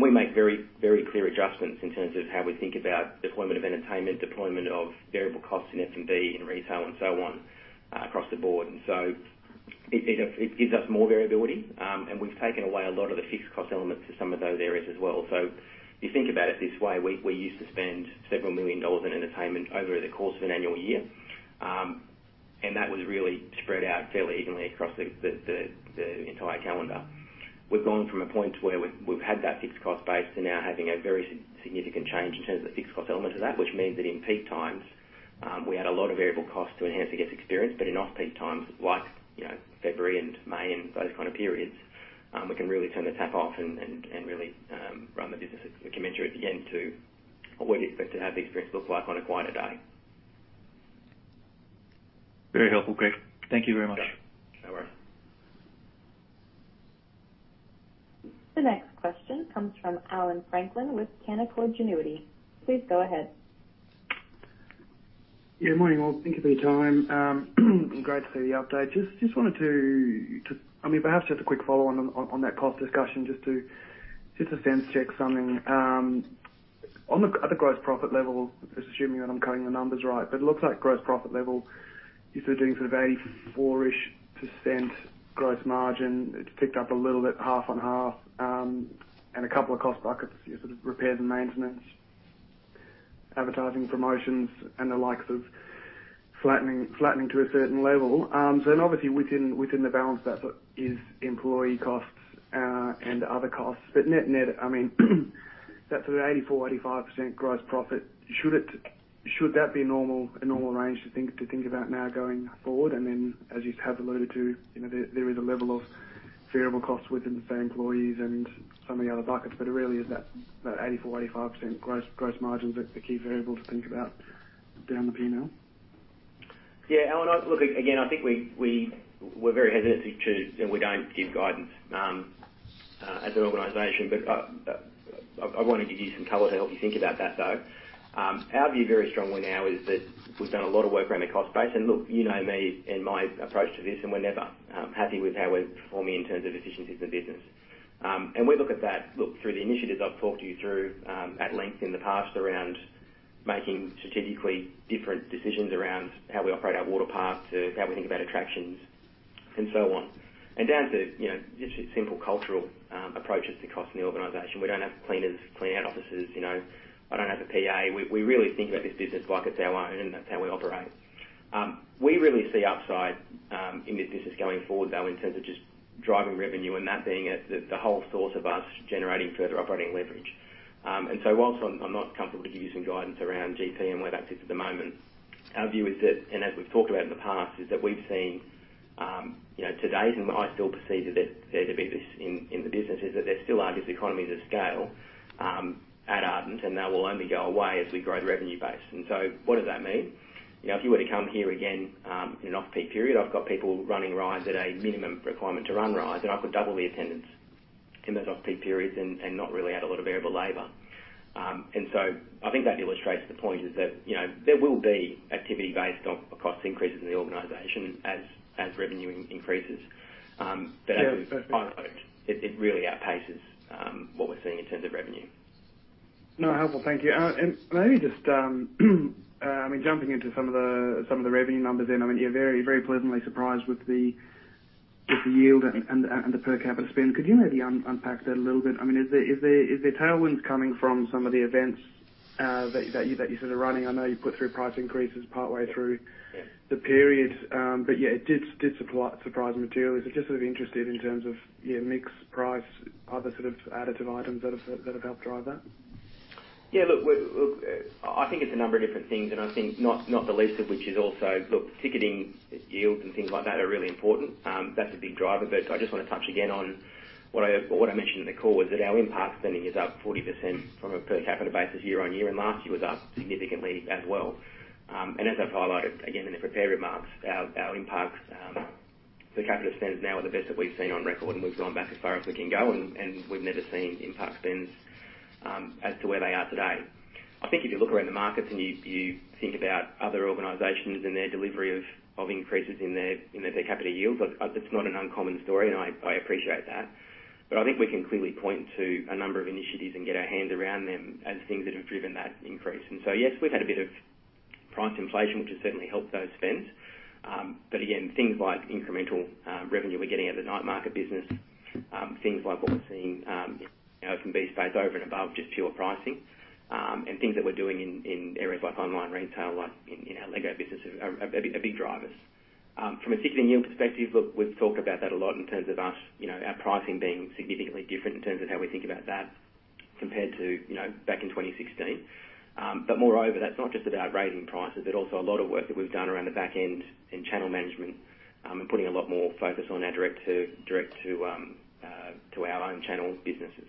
We make very, very clear adjustments in terms of how we think about deployment of entertainment, deployment of variable costs in F&B and retail and so on across the board. It gives us more variability, and we've taken away a lot of the fixed cost elements to some of those areas as well. If you think about it this way, we used to spend several million AUD in entertainment over the course of an annual year, and that was really spread out fairly evenly across the entire calendar. We've gone from a point to where we've had that fixed cost base to now having a very significant change in terms of the fixed cost element of that, which means that in peak times, we add a lot of variable costs to enhance the guest experience. In off-peak times like, you know, February and May and those kind of periods, we can really turn the tap off and really run the business at the commensurate, again, to what you expect to have the experience look like on a quieter day. Very helpful, Greg. Thank you very much. No worries. The next question comes from Allan Franklin with Canaccord Genuity. Please go ahead. Yeah, morning, all. Thank you for your time. Great to see the update. Just wanted to, I mean, perhaps just a quick follow on that cost discussion, just to sense check something. On the, at the gross profit level, just assuming that I'm cutting the numbers right, but it looks like gross profit level, you're sort of doing sort of 84-ish% gross margin. It's picked up a little bit half on half, and a couple of cost buckets, your sort of repairs and maintenance, advertising promotions and the likes of flattening to a certain level. Obviously within the balance that's, is employee costs, and other costs. Net-net, I mean, that sort of 84%-85% gross profit, should that be a normal, a normal range to think about now going forward? Then as you have alluded to, you know, there is a level of variable costs within say employees and some of the other buckets. Really is that 84%-85% gross margin the key variable to think about down the P&L? Yeah, Allan. Look, again, I think we're very hesitant to and we don't give guidance as an organization. I wanted to give you some color to help you think about that, though. Our view very strongly now is that we've done a lot of work around the cost base. Look, you know me and my approach to this, and we're never happy with how we're performing in terms of efficiencies in the business. We look at that, through the initiatives I've talked to you through at length in the past around making strategically different decisions around how we operate our water park to how we think about attractions and so on. Down to, you know, just your simple cultural approaches to cost in the organization. We don't have cleaners clean our offices, you know. I don't have a PA. We really think about this business like it's our own, that's how we operate. We really see upside in this business going forward, though, in terms of just driving revenue and that being at the whole source of us generating further operating leverage. Whilst I'm not comfortable to give you some guidance around GP and where that sits at the moment, our view is that, and as we've talked about in the past, is that we've seen, you know, to date, and I still perceive that there to be this in the business, is that there still are these economies of scale at Ardent, they will only go away as we grow the revenue base. What does that mean? You know, if you were to come here again, in an off-peak period, I've got people running rides at a minimum requirement to run rides, and I could double the attendance in those off-peak periods and not really add a lot of variable labor. I think that illustrates the point is that, you know, there will be activity based on cost increases in the organization as revenue increases. As we've- Yeah. quote-unquote, it really outpaces what we're seeing in terms of revenue. No, helpful. Thank you. Maybe just, I mean, jumping into some of the revenue numbers then. I mean, you're very, very pleasantly surprised with the yield and the per capita spend. Could you maybe un-unpack that a little bit? I mean, is there tailwinds coming from some of the events that you said are running? I know you put through price increases partway through. Yeah the period. Yeah, it did surprise materially. Just sort of interested in terms of, yeah, mix, price, other sort of additive items that have helped drive that. Yeah, look, I think it's a number of different things, and I think not the least of which is also, look, ticketing yields and things like that are really important. That's a big driver. I just wanna touch again on what I mentioned in the call, was that our in-park spending is up 40% from a per capita basis year-over-year, and last year was up significantly as well. As I've highlighted again in the prepared remarks, our in-parks, per capita spends now are the best that we've seen on record, and we've gone back as far as we can go, and we've never seen in-park spends, as to where they are today. I think if you look around the markets and you think about other organizations and their delivery of increases in their per capita yields, it's not an uncommon story, and I appreciate that. We can clearly point to a number of initiatives and get our hands around them as things that have driven that increase. Yes, we've had a bit of price inflation, which has certainly helped those spends. Again, things like incremental revenue we're getting out of the Night Market business, things like what we're seeing, you know, from BSpace over and above just pure pricing, and things that we're doing in areas like online retail, like in our LEGO business are big drivers. From a ticketing yield perspective, look, we've talked about that a lot in terms of us, you know, our pricing being significantly different in terms of how we think about that compared to, you know, back in 2016. Moreover, that's not just about raising prices, but also a lot of work that we've done around the back end and channel management, and putting a lot more focus on our direct to our own channels businesses.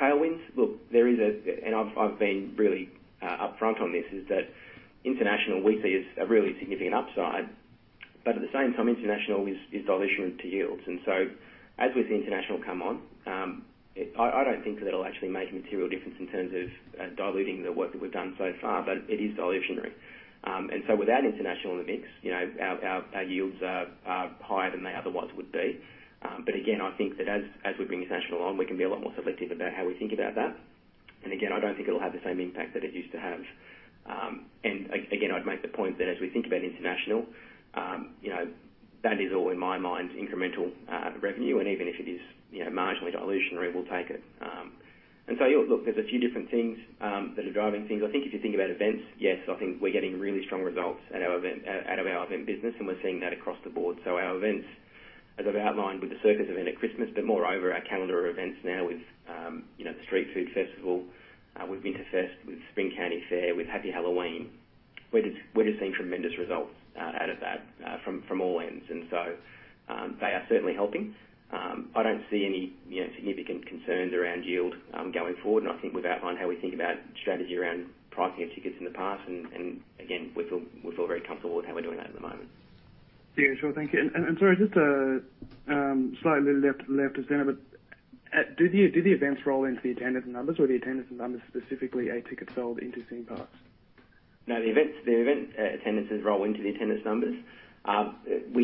Tailwinds, look, there is and I've been really upfront on this, is that international we see as a really significant upside. At the same time, international is dilution to yields. As we see international come on, I don't think that it'll actually make a material difference in terms of diluting the work that we've done so far, but it is dilutionary. Without international in the mix, you know, our, our yields are higher than they otherwise would be. Again, I think that as we bring international on, we can be a lot more selective about how we think about that. Again, I don't think it'll have the same impact that it used to have. Again, I'd make the point that as we think about international, you know, that is all in my mind incremental revenue. Even if it is, you know, marginally dilutionary, we'll take it. Look, there's a few different things that are driving things. I think if you think about events, yes, I think we're getting really strong results out of our event business, and we're seeing that across the board. Our events, as I've outlined with the circus event at Christmas, but moreover, our calendar of events now with, you know, the Street Food Festival, with Winterfest, with Spring County Fair, with Happy Halloween, we're just seeing tremendous results out of that from all ends. They are certainly helping. I don't see any, you know, significant concerns around yield going forward. I think we've outlined how we think about strategy around pricing of tickets in the past. Again, we feel very comfortable with how we're doing that at the moment. Yeah, sure. Thank you. Sorry, just a slightly left of center, but do the events roll into the attendance numbers or the attendance numbers specifically are tickets sold into theme parks? The event attendances roll into the attendance numbers. If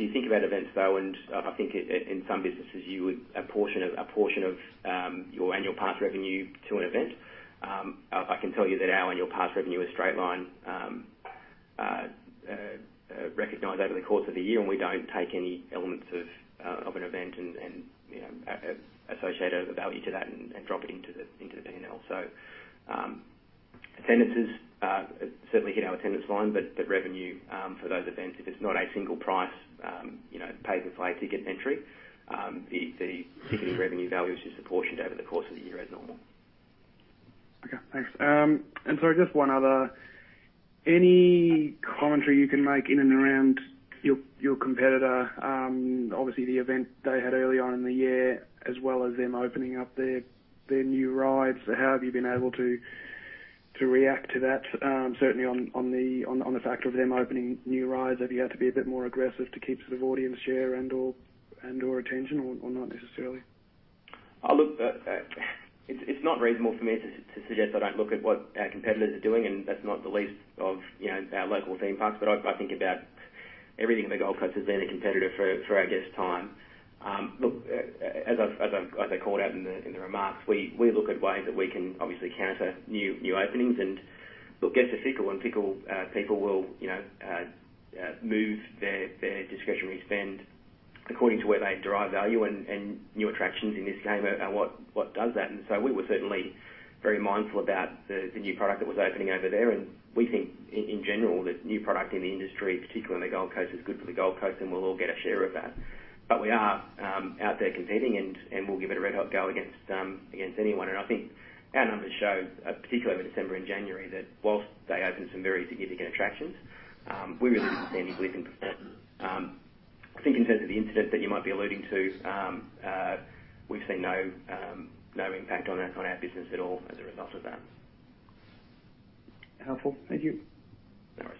you think about events though, I think in some businesses you would apportion of your annual pass revenue to an event. I can tell you that our annual pass revenue is straight line recognized over the course of a year, we don't take any elements of an event and, you know, associate over value to that and drop it into the P&L. Attendances certainly hit our attendance line, the revenue for those events, if it's not a single price, you know, paid for flight ticket entry, the ticketing revenue value is just apportioned over the course of the year as normal. Okay, thanks. Sorry, just one other. Any commentary you can make in and around your competitor? Obviously the event they had earlier on in the year, as well as them opening up their new rides. How have you been able to react to that? Certainly on the back of them opening new rides, have you had to be a bit more aggressive to keep sort of audience share and/or attention or not necessarily? Look, it's not reasonable for me to suggest I don't look at what our competitors are doing, and that's not the least of, you know, our local theme parks. I think about everything on the Gold Coast as being a competitor for our guests' time. Look, as I called out in the remarks, we look at ways that we can obviously counter new openings. Look, guests are fickle, and fickle people will, you know, move their discretionary spend according to where they derive value and new attractions in this game are what does that. We were certainly very mindful about the new product that was opening over there. We think in general that new product in the industry, particularly on the Gold Coast, is good for the Gold Coast, and we'll all get a share of that. We are out there competing, and we'll give it a red hot go against anyone. I think our numbers show particularly over December and January, that whilst they opened some very significant attractions, we really didn't see any bleed. I think in terms of the incident that you might be alluding to, we've seen no impact on our business at all as a result of that. Helpful. Thank you. No worries.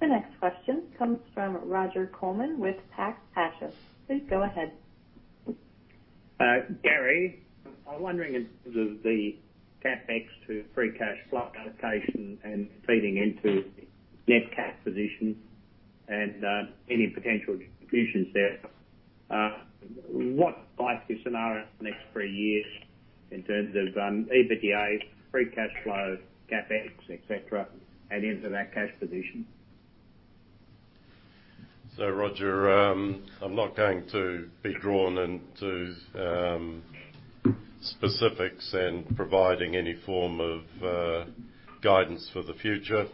The next question comes from Roger Coleman with Pax Patria. Please go ahead. Gary, I'm wondering in terms of the CapEx to free cash flow allocation and feeding into net cash position and any potential distributions there, what might be the scenario for the next three years in terms of EBITDA, free cash flow, CapEx, et cetera, and into that cash position? Roger, I'm not going to be drawn into specifics in providing any form of guidance for the future.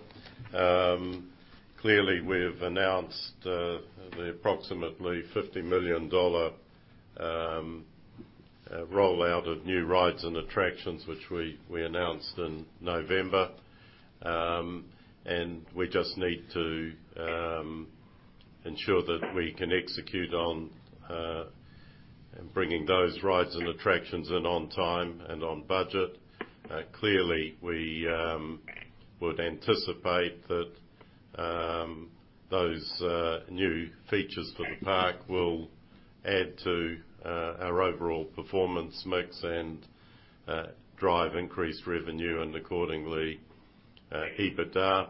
Clearly, we've announced the approximately 50 million dollar rollout of new rides and attractions, which we announced in November. We just need to ensure that we can execute on bringing those rides and attractions in on time and on budget. Clearly, we would anticipate that those new features for the park will add to our overall performance mix and drive increased revenue and accordingly, EBITDA.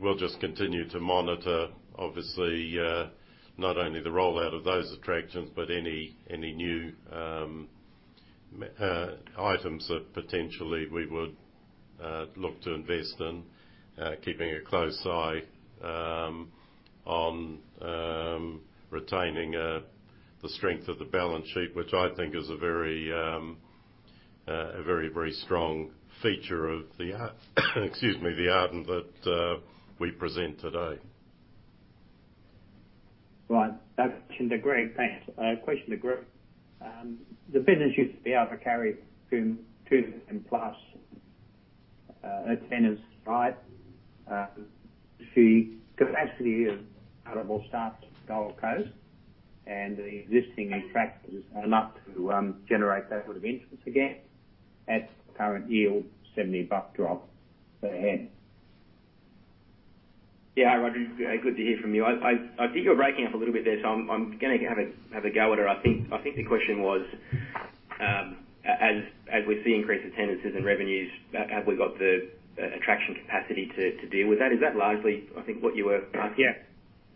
We'll just continue to monitor, obviously, not only the rollout of those attractions, but any new items that potentially we would look to invest in, keeping a close eye on retaining the strength of the balance sheet, which I think is a very, very strong feature of the excuse me, the Ardent that we present today. Right. That's question to Greg. Thanks. question to Greg. The business used to be able to carry 2 plus attenders, right? The capacity of multiple staff at Gold Coast and the existing attractions are enough to generate that sort of interest again at current yield, 70 AUD per head. Yeah. Hi, Roger. good to hear from you. I think you're breaking up a little bit there, so I'm gonna have a go at it. I think the question was, as we see increased attendances and revenues, have we got the attraction capacity to deal with that. Is that largely, I think, what you were asking? Yeah.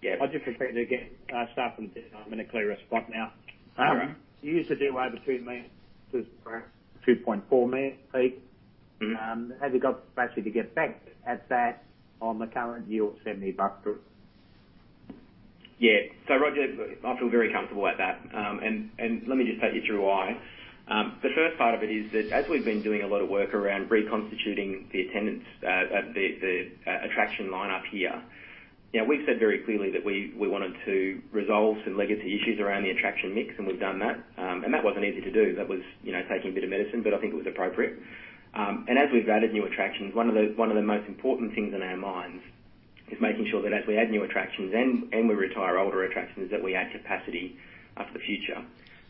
Yeah. I'll just repeat it again. Staff I'm in a clearer spot now. All right. You used to do over 2 million to 2.4 million peak. Mm-hmm. Have you got capacity to get back at that on the current yield, 70 bucks drop? Yeah. Roger, I feel very comfortable at that. Let me just take you through why. The first part of it is that as we've been doing a lot of work around reconstituting the attendance at the attraction line up here, you know, we've said very clearly that we wanted to resolve some legacy issues around the attraction mix, and we've done that. That wasn't easy to do. That was, you know, taking a bit of medicine, but I think it was appropriate. As we've added new attractions, one of the most important things on our minds is making sure that as we add new attractions and we retire older attractions, that we add capacity for the future.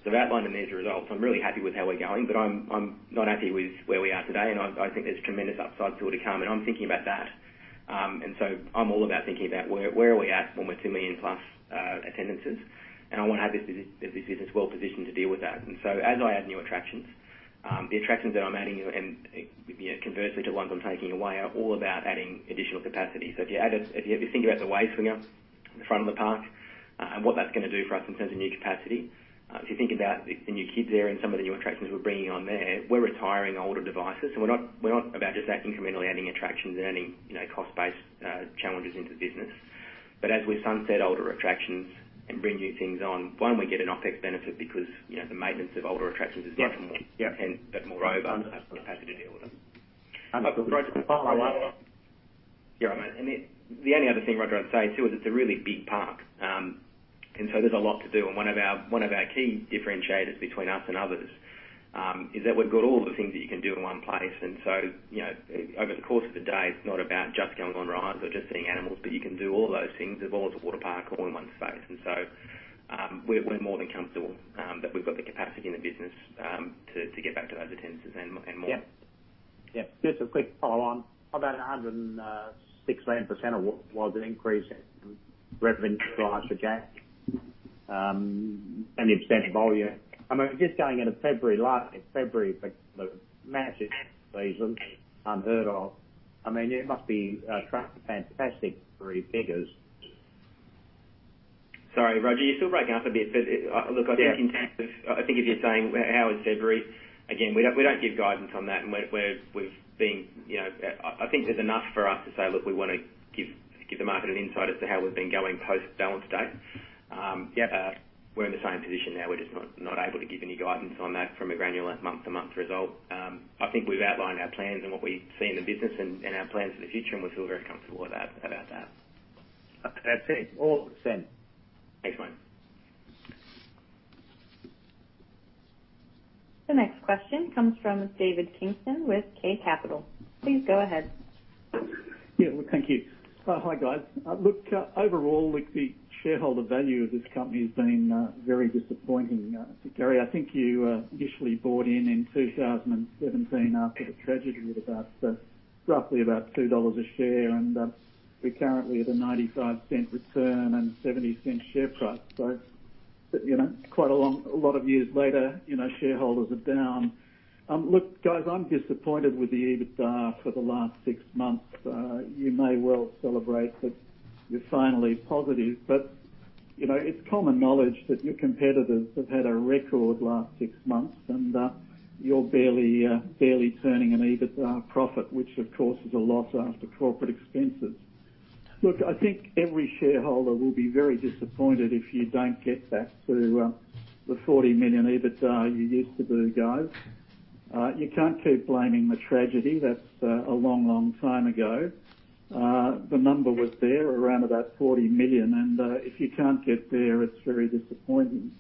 That line in these results, I'm really happy with how we're going, but I'm not happy with where we are today. I think there's tremendous upside still to come. I'm thinking about that. I'm all about thinking about where are we at when we're 2 million+ attendances, and I wanna have this business well positioned to deal with that. As I add new attractions, the attractions that I'm adding and, you know, conversely to ones I'm taking away are all about adding additional capacity. If you add a... If you think about the wave swinger at the front of the park, and what that's gonna do for us in terms of new capacity, if you think about the new Kids Area and some of the new attractions we're bringing on there, we're retiring older devices. We're not about just that incrementally adding attractions and adding, you know, cost-based challenges into the business. As we sunset older attractions and bring new things on, one, we get an OpEx benefit because, you know, the maintenance of older attractions is much more. Yeah. Moreover. Understood. have the capacity to deal with them. Understood. The only other thing, Roger, I'd say, too, is it's a really big park. So there's a lot to do. One of our key differentiators between us and others, is that we've got all the things that you can do in one place. So, you know, over the course of the day, it's not about just going on rides or just seeing animals, but you can do all those things as well as a water park all in one space. So, we're more than comfortable, that we've got the capacity in the business, to get back to those attendances and more. Yeah. Yeah. Just a quick follow on. About 106% was an increase in revenue last subject, the extent of volume. I mean, just going into February, last February, the massive season unheard of. I mean, it must be fantastic for your figures. Sorry, Roger, you're still breaking up a bit. Look, I think. Yeah. I think if you're saying how was February, again, we don't give guidance on that. We're, we've been, you know. I think there's enough for us to say, "Look, we wanna give the market an insight as to how we've been going post-balance date. Yeah. We're in the same position now. We're just not able to give any guidance on that from a granular month-to-month result. I think we've outlined our plans and what we see in the business and our plans for the future, and we feel very comfortable with that, about that. That's it. All said. Thanks, mate. The next question comes from David Kingston with K Capital. Please go ahead. Yeah. Look, thank you. Hi, guys. Look, overall, like the shareholder value of this company has been very disappointing. Gary, I think you initially bought in in 2017 after the tragedy at about roughly about 2 dollars a share, and we're currently at a 0.95 return and 0.70 share price. You know, quite a lot of years later, you know, shareholders are down. Look, guys, I'm disappointed with the EBITDA for the last 6 months. You may well celebrate that you're finally positive, you know, it's common knowledge that your competitors have had a record last 6 months and you're barely turning an EBITDA profit, which of course is a loss after corporate expenses. Look, I think every shareholder will be very disappointed if you don't get back to the 40 million EBITDA you used to do, guys. You can't keep blaming the tragedy. That's a long, long time ago. The number was there around about 40 million, and if you can't get there, it's very disappointing.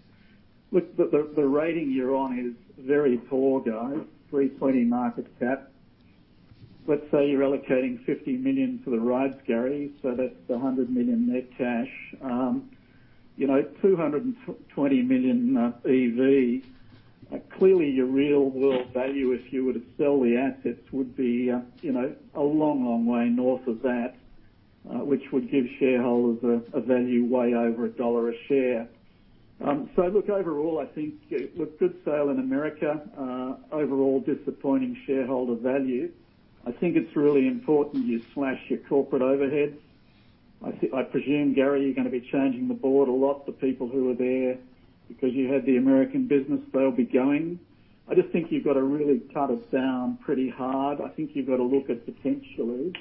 Look, the rating you're on is very poor, guys. 320 million market cap. Let's say you're allocating 50 million for the rides, Gary. That's 100 million net cash. You know, 220 million EV. Clearly your real world value, if you were to sell the assets, would be, you know, a long, long way north of that, which would give shareholders a value way over AUD 1 a share. Look, overall, I think with good sale in America, overall disappointing shareholder value, I think it's really important you slash your corporate overheads. I presume, Gary, you're gonna be changing the board. A lot of people who are there because you had the American business, they'll be going. I just think you've gotta really cut a sound pretty hard. I think you've gotta look at potentially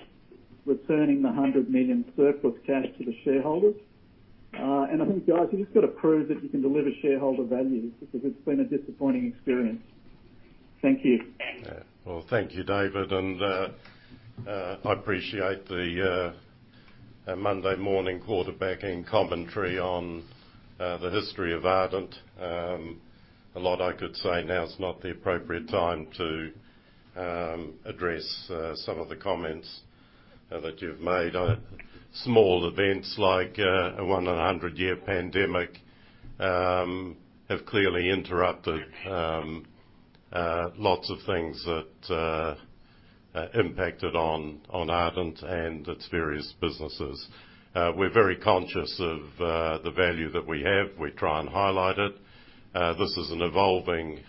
returning the 100 million surplus cash to the shareholders. I think, guys, you've just gotta prove that you can deliver shareholder value because it's been a disappointing experience. Thank you. Yeah. Well, thank you, David. I appreciate the Monday morning quarterbacking commentary on the history of Ardent. A lot I could say. Now is not the appropriate time to address some of the comments that you've made. Small events like a 1 in a 100 year pandemic have clearly interrupted lots of things that impacted on Ardent and its various businesses. We're very conscious of the value that we have. We try and highlight it. This is an evolving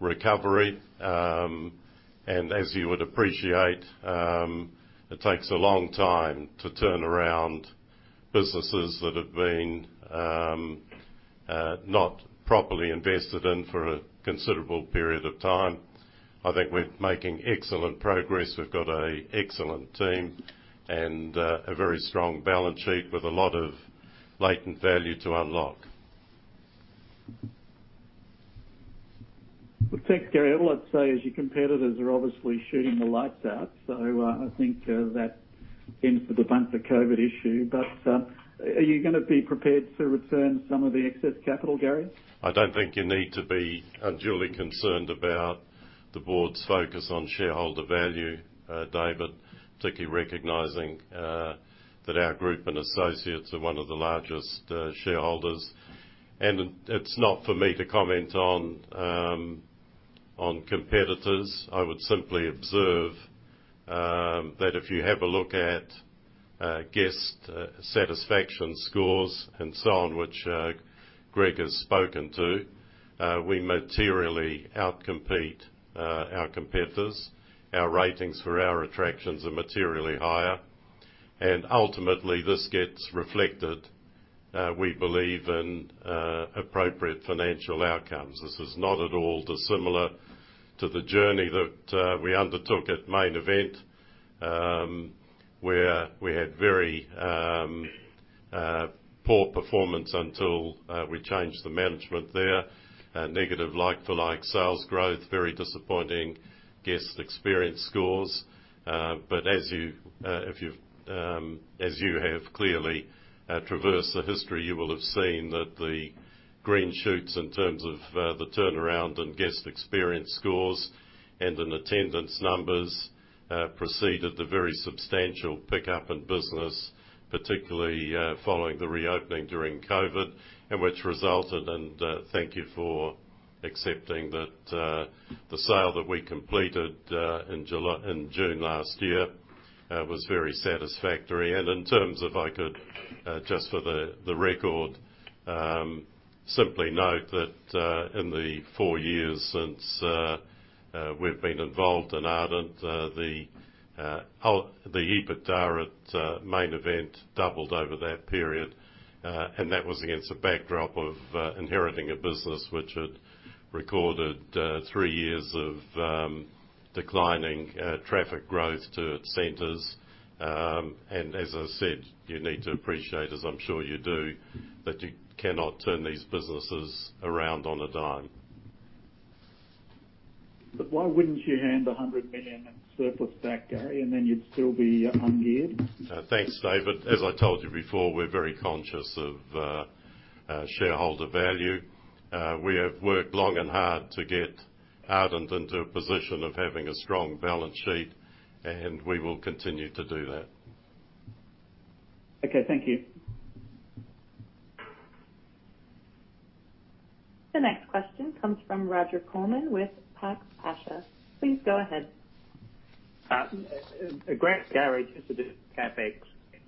recovery. As you would appreciate, it takes a long time to turn around businesses that have been not properly invested in for a considerable period of time. I think we're making excellent progress. We've got an excellent team and a very strong balance sheet with a lot of latent value to unlock. Thanks, Gary. All I'd say is your competitors are obviously shooting the lights out, I think, that ends with the bunch of COVID issue. Are you gonna be prepared to return some of the excess capital, Gary? I don't think you need to be unduly concerned about the board's focus on shareholder value, David. Particularly recognizing that our group and associates are one of the largest shareholders. It's not for me to comment on competitors. I would simply observe that if you have a look at guest satisfaction scores and so on, which Greg has spoken to, we materially outcompete our competitors. Our ratings for our attractions are materially higher. Ultimately, this gets reflected, we believe in appropriate financial outcomes. This is not at all dissimilar to the journey that we undertook at Main Event, where we had very poor performance until we changed the management there. Negative like-for-like sales growth, very disappointing guest experience scores. As you have clearly traversed the history, you will have seen that the green shoots in terms of the turnaround in guest experience scores and in attendance numbers preceded the very substantial pickup in business, particularly following the reopening during COVID, which resulted in, thank you for accepting that, the sale that we completed in June last year was very satisfactory. In terms, if I could just for the record, simply note that in the 4 years since we've been involved in Ardent, the EBITDA at Main Event doubled over that period. That was against the backdrop of inheriting a business which had recorded 3 years of declining traffic growth to its centers As I said, you need to appreciate, as I'm sure you do, that you cannot turn these businesses around on a dime. Why wouldn't you hand 100 million in surplus back, Gary, and then you'd still be ungeared? Thanks, David. As I told you before, we're very conscious of shareholder value. We have worked long and hard to get Ardent into a position of having a strong balance sheet. We will continue to do that. Okay, thank you. The next question comes from Roger Coleman with Pax Patria. Please go ahead. Grant, Gary, just a bit of CapEx.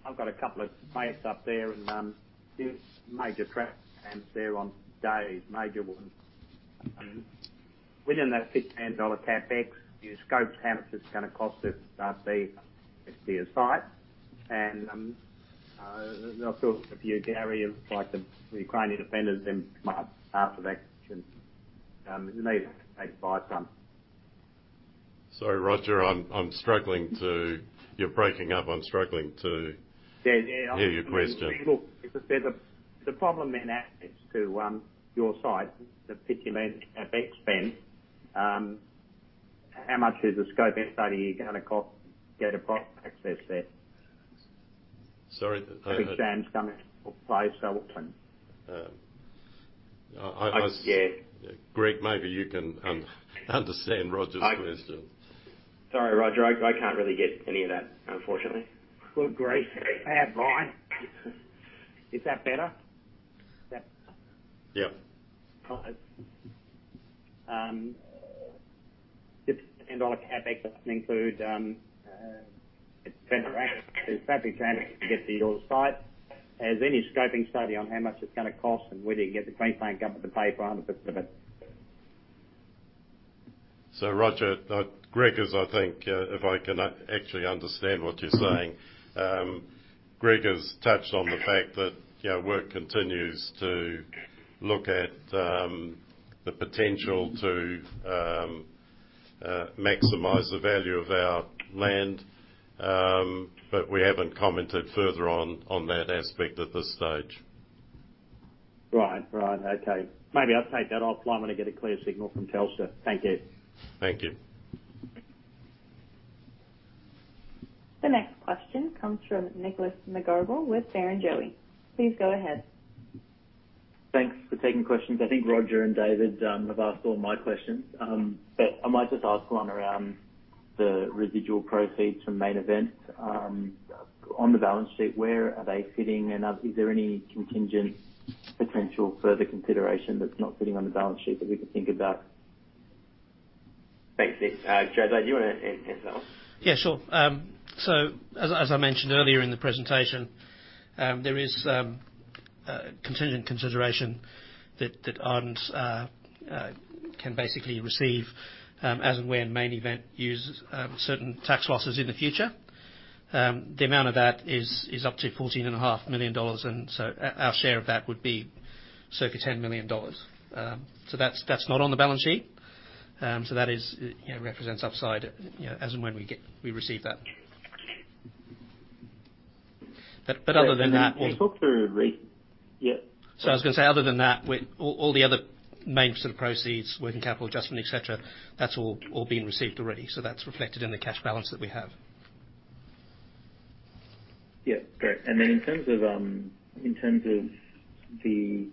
I've got a couple of mates up there, and, there's major traffic jams there on days, major ones. Within that 15 dollar CapEx, you scoped how is gonna cost us a fee to your site. There's also a few, Gary, of like the Ukrainian independence that come after that. You may take 5 ton. Sorry, Roger. I'm struggling to... You're breaking up. I'm struggling to. Yeah, yeah. Hear your question. If there's the problem in access to your site, the 50 million CapEx spend, how much is the scope study going to cost to get a pro-access there? Sorry. I. Big Sam's gonna play so often. Um, I, I, I s- Yeah. Greg, maybe you can un-understand Roger's question. Sorry, Roger. I can't really get any of that, unfortunately. Well, great. Bad line. Is that better? Is that... Yeah. All right. This AUD 10 CapEx doesn't include better access. There's public transit to get to your site. Has any scoping study on how much it's gonna cost and whether you can get the Queensland Government to pay for 100% of it? Roger, Greg is, I think, if I can actually understand what you're saying. Greg has touched on the fact that, you know, work continues to look at the potential to maximize the value of our land. We haven't commented further on that aspect at this stage. Right. Right. Okay. Maybe I'll take that offline when I get a clear signal from Telstra. Thank you. Thank you. The next question comes from Nicholas McGarrigle with Barrenjoey. Please go ahead. Thanks for taking questions. I think Roger and David, have asked all my questions. I might just ask one around the residual proceeds from Main Event. On the balance sheet, where are they sitting, is there any contingent potential further consideration that's not sitting on the balance sheet that we can think about? Thanks, Nick. Jose, do you wanna answer that one? Sure. As I mentioned earlier in the presentation, there is contingent consideration that Ardent can basically receive as and when Main Event uses certain tax losses in the future. The amount of that is up to fourteen and a half million US dollars. Our share of that would be circa $10 million. That's not on the balance sheet. That is, you know, represents upside, you know, as and when we receive that. But other than that- Can you talk through rate yet? I was gonna say, other than that, all the other main sort of proceeds, working capital adjustment, et cetera, that's all been received already. That's reflected in the cash balance that we have. Yeah. Great. In terms of, in terms of the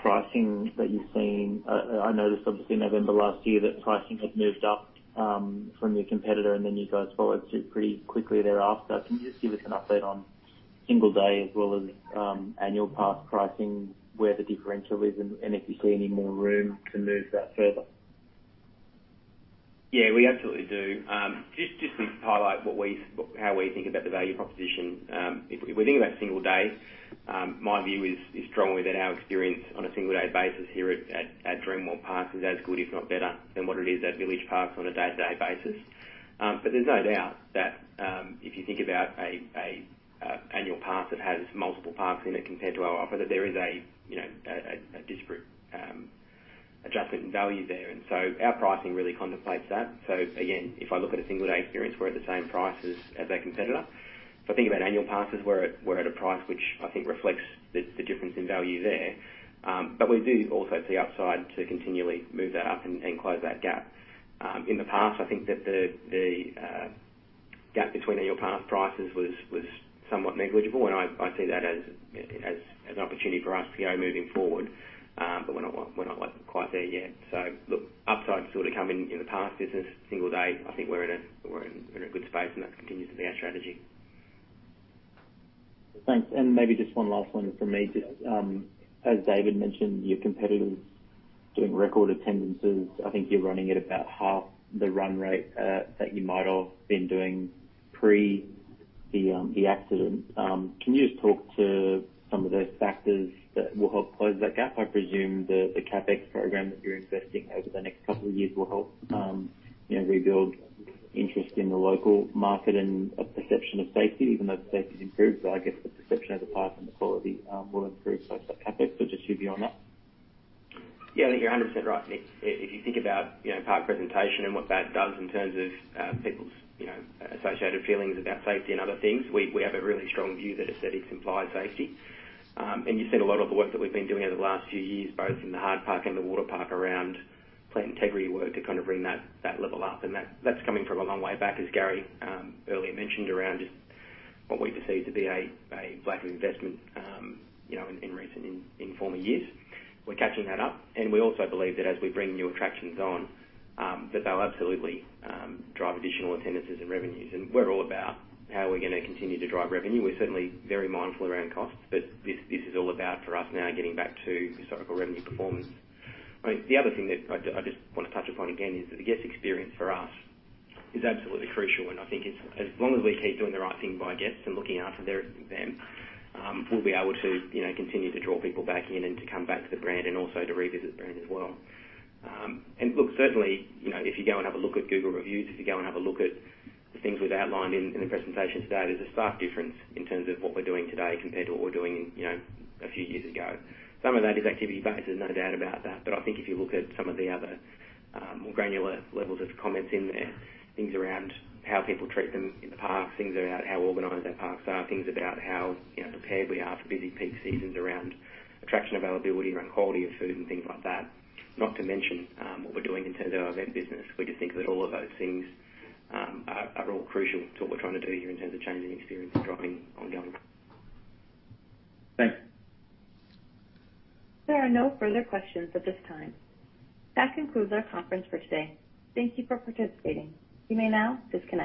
pricing that you're seeing, I noticed obviously November last year that pricing had moved up from your competitor, then you guys followed suit pretty quickly thereafter. Can you just give us an update on single day as well as annual pass pricing, where the differential is and if you see any more room to move that further? Yeah, we absolutely do. Just to highlight how we think about the value proposition. If we think about single day, my view is strongly that our experience on a single day basis here at Dreamworld Park is as good, if not better, than what it is at Village Parks on a day-to-day basis. But there's no doubt that if you think about an annual pass that has multiple parks in it compared to our offer, that there is a, you know, a disparate adjustment in value there. Our pricing really contemplates that. Again, if I look at a single day experience, we're at the same price as our competitor. If I think about annual passes, we're at a price which I think reflects the difference in value there. We do also see upside to continually move that up and close that gap. In the past, I think that the gap between annual pass prices was somewhat negligible, and I see that as an opportunity for us to grow moving forward. We're not, like, quite there yet. Look, upside sort of come in the past. This is single day. I think we're in a good space, and that continues to be our strategy. Thanks. Maybe just one last one from me. Just as David mentioned, your competitor's doing record attendances. I think you're running at about half the run rate that you might have been doing pre the accident. Can you just talk to some of those factors that will help close that gap? I presume the CapEx program that you're investing over the next couple of years will help, you know, rebuild interest in the local market and a perception of safety, even though safety's improved. I guess the perception of the park and the quality will improve post that CapEx. Just you beyond that. Yeah. I think you're 100% right, Nick. If, if you think about, you know, park presentation and what that does in terms of people's, you know, associated feelings about safety and other things, we have a really strong view that aesthetics implies safety. You've seen a lot of the work that we've been doing over the last few years, both in the hard park and the water park, around plant integrity work to kind of bring that level up and that's coming from a long way back, as Gary earlier mentioned around just what we perceive to be a lack of investment, you know, in recent and in former years. We're catching that up. We also believe that as we bring new attractions on, that they'll absolutely drive additional attendances and revenues. We're all about how we're gonna continue to drive revenue. We're certainly very mindful around costs, but this is all about, for us now, getting back to historical revenue performance. I think the other thing that I just wanna touch upon again is that the guest experience for us is absolutely crucial, and I think it's, as long as we keep doing the right thing by guests and looking after their, them, we'll be able to, you know, continue to draw people back in and to come back to the brand and also to revisit the brand as well. Look, certainly, you know, if you go and have a look at Google reviews, if you go and have a look at the things we've outlined in the presentation today, there's a stark difference in terms of what we're doing today compared to what we're doing, you know, a few years ago. Some of that is activity based, there's no doubt about that. I think if you look at some of the other, more granular levels of comments in there, things around how people treat them in the parks, things about how organized our parks are, things about how, you know, prepared we are for busy peak seasons around attraction availability, around quality of food and things like that. Not to mention, what we're doing in terms of our event business. We just think that all of those things are all crucial to what we're trying to do here in terms of changing the experience and driving ongoing. Thanks. There are no further questions at this time. That concludes our conference for today. Thank you for participating. You may now disconnect.